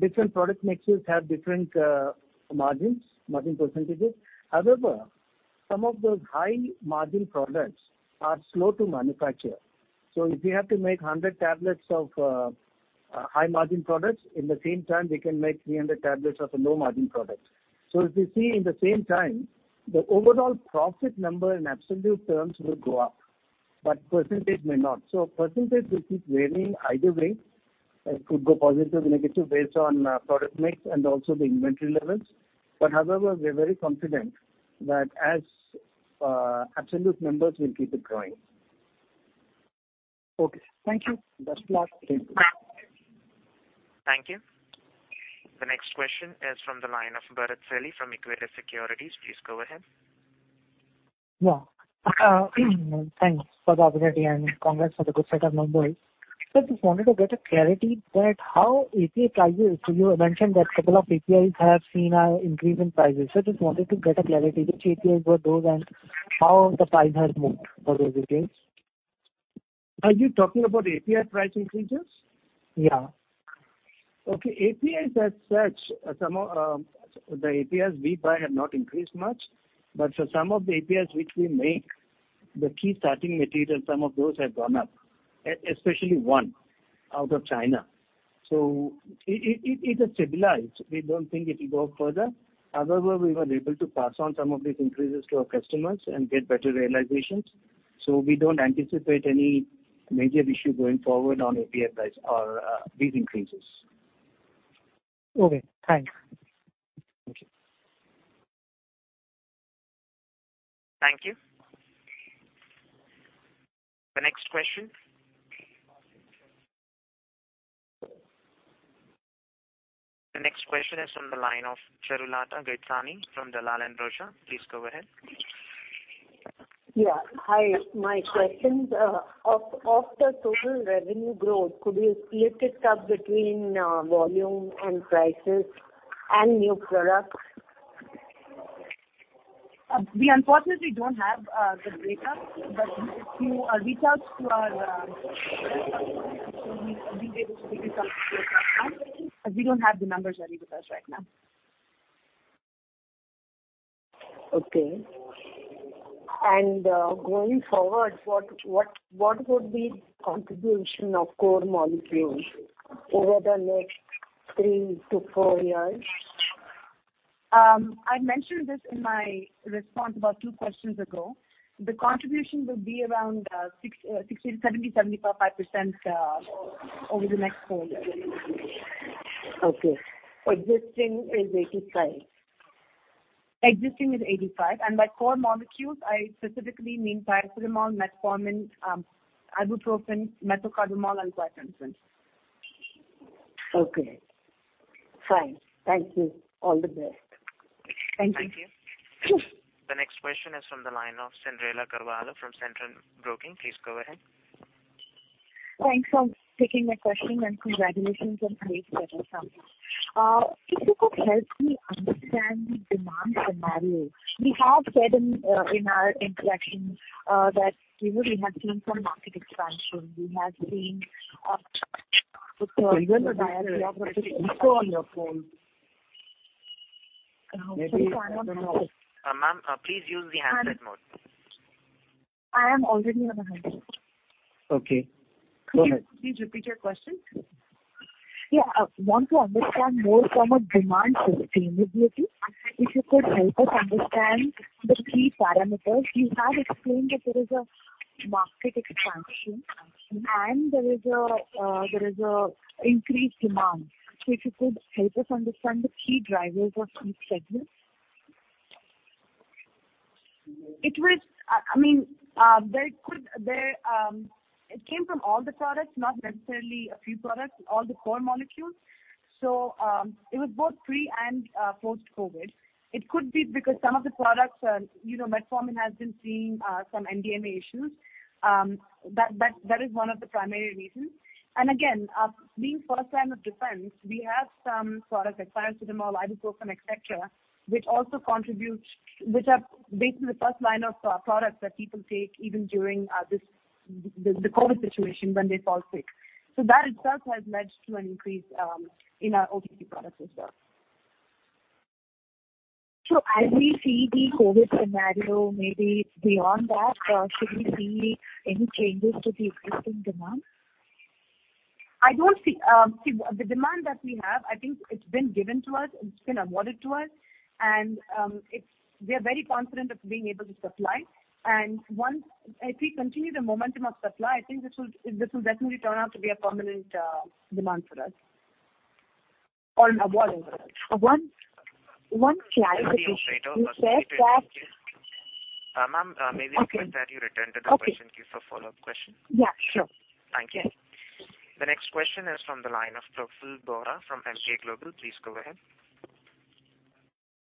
Different product mixes have different margin percentages. However, some of those high-margin products are slow to manufacture. If we have to make 100 tablets of high-margin products, in the same time, we can make 300 tablets of a low-margin product. If you see in the same time, the overall profit number in absolute terms will go up, but percentage may not. Percentage will keep varying either way. It could go positive or negative based on product mix and also the inventory levels. However, we're very confident that as absolute numbers will keep it growing. Okay. Thank you. Best luck. Thank you. Thank you. The next question is from the line of Bharat Selhi from Equitas Securities. Please go ahead. Yeah. Thanks for the opportunity, Congrats for the good set of numbers. Sir, just wanted to get a clarity that how API prices, you mentioned that couple of APIs have seen an increase in prices. Sir, just wanted to get a clarity, which APIs were those and how the price has moved for those APIs? Are you talking about API price increases? Yeah. Okay. APIs, as such, the APIs we buy have not increased much, but for some of the APIs which we make, the key starting material, some of those have gone up, especially one out of China. It has stabilized. We don't think it will go up further. However, we were able to pass on some of these increases to our customers and get better realizations. We don't anticipate any major issue going forward on API price or these increases. Okay, thanks. Thank you. Thank you. The next question is from the line of Charulata Gaidhani from Dalal & Broacha. Please go ahead. Yeah. Hi. My question is, of the total revenue growth, could you split it up between volume and prices and new products? We unfortunately don't have the breakup. If you reach out to our investor relations, we'll be able to give you some split up. We don't have the numbers ready with us right now. Okay. Going forward, what would be the contribution of core molecules over the next three to four years? I mentioned this in my response about two questions ago. The contribution will be around 70%-75% over the next four years. Okay. Existing is 85? Existing is 85, and by core molecules, I specifically mean paracetamol, metformin, ibuprofen, methocarbamol, and guaifenesin. Okay. Fine. Thank you. All the best. Thank you. Thank you. The next question is from the line of Cinderella Garwala from Centrum Broking. Please go ahead. Thanks for taking my question, and congratulations on a great quarter. If you could help me understand the demand scenario. We have said in our interactions that we have seen some market expansion. We have seen- Cinderella, there is an echo on your phone. Okay. Sorry about that. Ma'am, please use the handset mode. I am already on the handset. Okay. Go ahead. Could you please repeat your question? Yeah. I want to understand more from a demand sustainability. If you could help us understand the key parameters. You have explained that there is a market expansion and there is increased demand. If you could help us understand the key drivers of these segments. It came from all the products, not necessarily a few products, all the core molecules. It was both pre and post-COVID. It could be because some of the products, like metformin has been seeing some NDMA issues. That is one of the primary reasons. Again, being first line of defense, we have some products like paracetamol, ibuprofen, et cetera, which are basically the first line of products that people take even during the COVID situation when they fall sick. That itself has led to an increase in our OTC products as well. As we see the COVID scenario, maybe beyond that, should we see any changes to the existing demand? The demand that we have, I think it's been given to us, it's been awarded to us. We are very confident of being able to supply. If we continue the momentum of supply, I think this will definitely turn out to be a permanent demand for us. Or an award. One clarification. You said that. Ma'am, may we request that you return to the question queue for follow-up question? Yeah, sure. Thank you. The next question is from the line of Praful Bora from MJ Global. Please go ahead.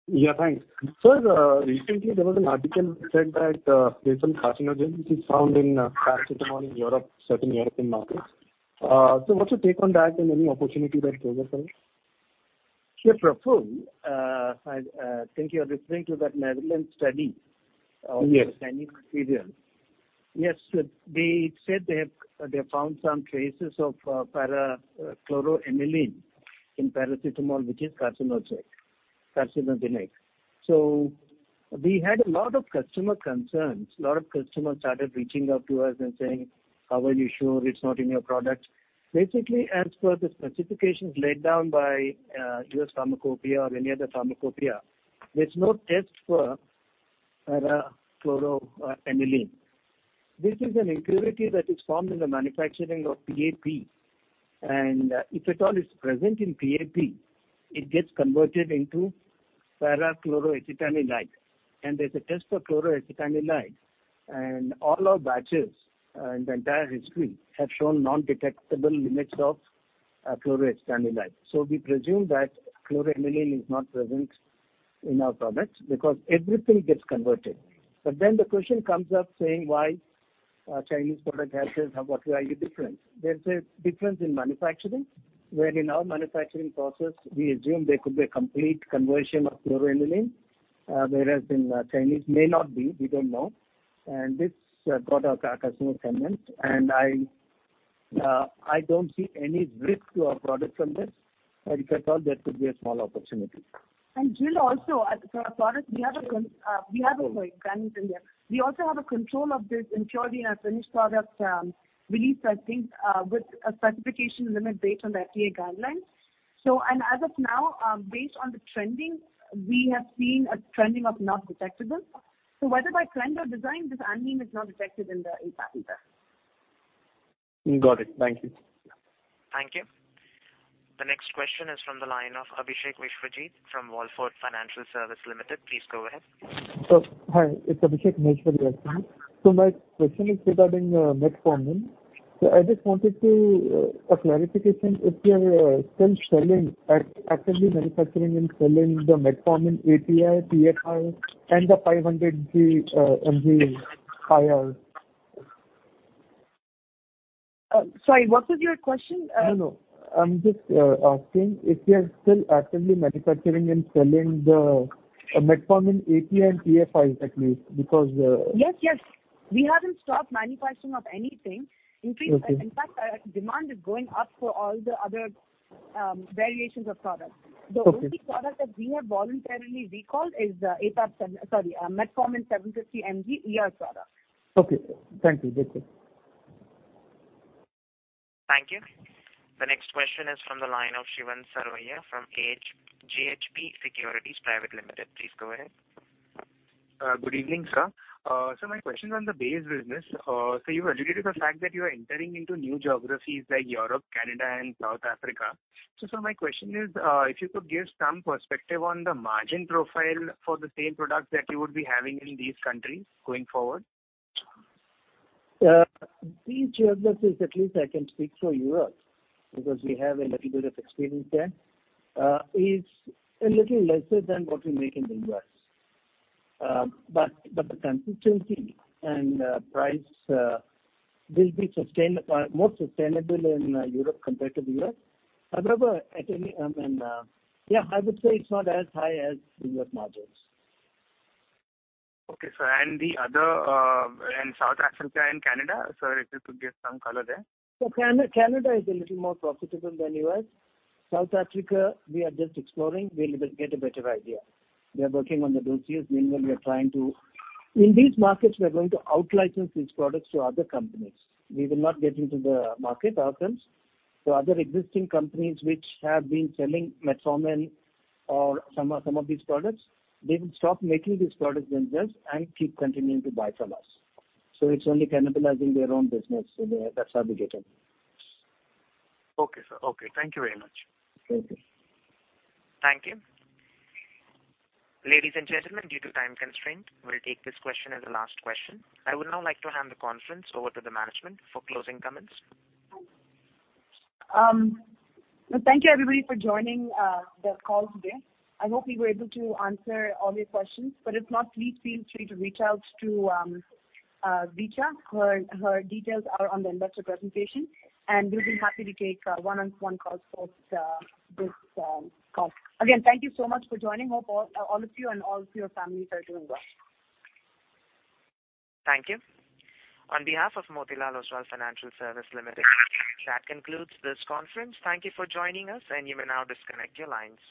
Yeah, thanks. Sir, recently there was an article which said that there's some carcinogen which is found in paracetamol in certain European markets. What's your take on that and any opportunity that goes with that? Yeah, Praful, I think you are referring to that Netherlands study- Yes of the Chinese material. Yes. They said they have found some traces of para-chloroaniline in paracetamol, which is carcinogenic. We had a lot of customer concerns. A lot of customers started reaching out to us and saying, "How are you sure it's not in your product?" Basically, as per the specifications laid down by US Pharmacopeia or any other pharmacopeia, there's no test for para-chloroaniline. This is an impurity that is formed in the manufacturing of PAP. If at all it's present in PAP, it gets converted into para-chloroacetaniline, and there's a test for chloroacetaniline. All our batches in the entire history have shown non-detectable limits of chloroacetaniline. We presume that chloroaniline is not present in our products because everything gets converted. The question comes up saying why Chinese product has this, and what is the difference? There's a difference in manufacturing, where in our manufacturing process, we assume there could be a complete conversion of chloroaniline, whereas in Chinese may not be, we don't know. This got our customer concerns, and I don't see any risk to our product from this. If at all, there could be a small opportunity. Praful, also, at Granules India, we also have a control of this impurity in our finished product release, I think, with a specification limit based on the FDA guidelines. As of now, based on the trending, we have seen a trending of not detectable. Whether by trend or design, this aniline is not detected in the API either. Got it. Thank you. Thank you. The next question is from the line of Abhishek Vishwajeet from Wallfort Financial Services Limited. Please go ahead. Hi, it's Abhishek Vishwajeet. My question is regarding metformin. I just wanted a clarification if you are still selling, actively manufacturing and selling the metformin API, PFI, and the 500 mg IR. Sorry, what was your question? No, no. I'm just asking if you are still actively manufacturing and selling the metformin API and PFIs at least. Yes, yes. We haven't stopped manufacturing of anything. Okay. In fact, demand is going up for all the other variations of products. Okay. The only product that we have voluntarily recalled is metformin 750 mg ER product. Okay. Thank you. Thank you. The next question is from the line of Shiven Saroya from GHP Securities Private Limited. Please go ahead. Good evening, sir. My question is on the B2B business. You've alluded to the fact that you are entering into new geographies like Europe, Canada, and South Africa. Sir, my question is, if you could give some perspective on the margin profile for the same products that you would be having in these countries going forward? These geographies, at least I can speak for Europe, because we have a little bit of experience there, is a little lesser than what we make in the U.S. The consistency and price will be more sustainable in Europe compared to the U.S. However, I would say it's not as high as the U.S. margins. Okay, sir. South Africa and Canada, sir, if you could give some color there. Canada is a little more profitable than U.S. South Africa, we are just exploring. We'll get a better idea. We are working on the dossiers, meaning that in these markets, we are going to out-license these products to other companies. We will not get into the market ourselves. Other existing companies which have been selling metformin or some of these products, they will stop making these products themselves and keep continuing to buy from us. That's how we get them. Okay, sir. Okay. Thank you very much. Thank you. Thank you. Ladies and gentlemen, due to time constraint, we'll take this question as the last question. I would now like to hand the conference over to the management for closing comments. Thank you everybody for joining the call today. I hope we were able to answer all your questions, but if not, please feel free to reach out to Richa. Her details are on the investor presentation, and we'll be happy to take one-on-one calls post this call. Again, thank you so much for joining. Hope all of you and all of your families are doing well. Thank you. On behalf of Motilal Oswal Financial Services Limited, that concludes this conference. Thank you for joining us, and you may now disconnect your lines.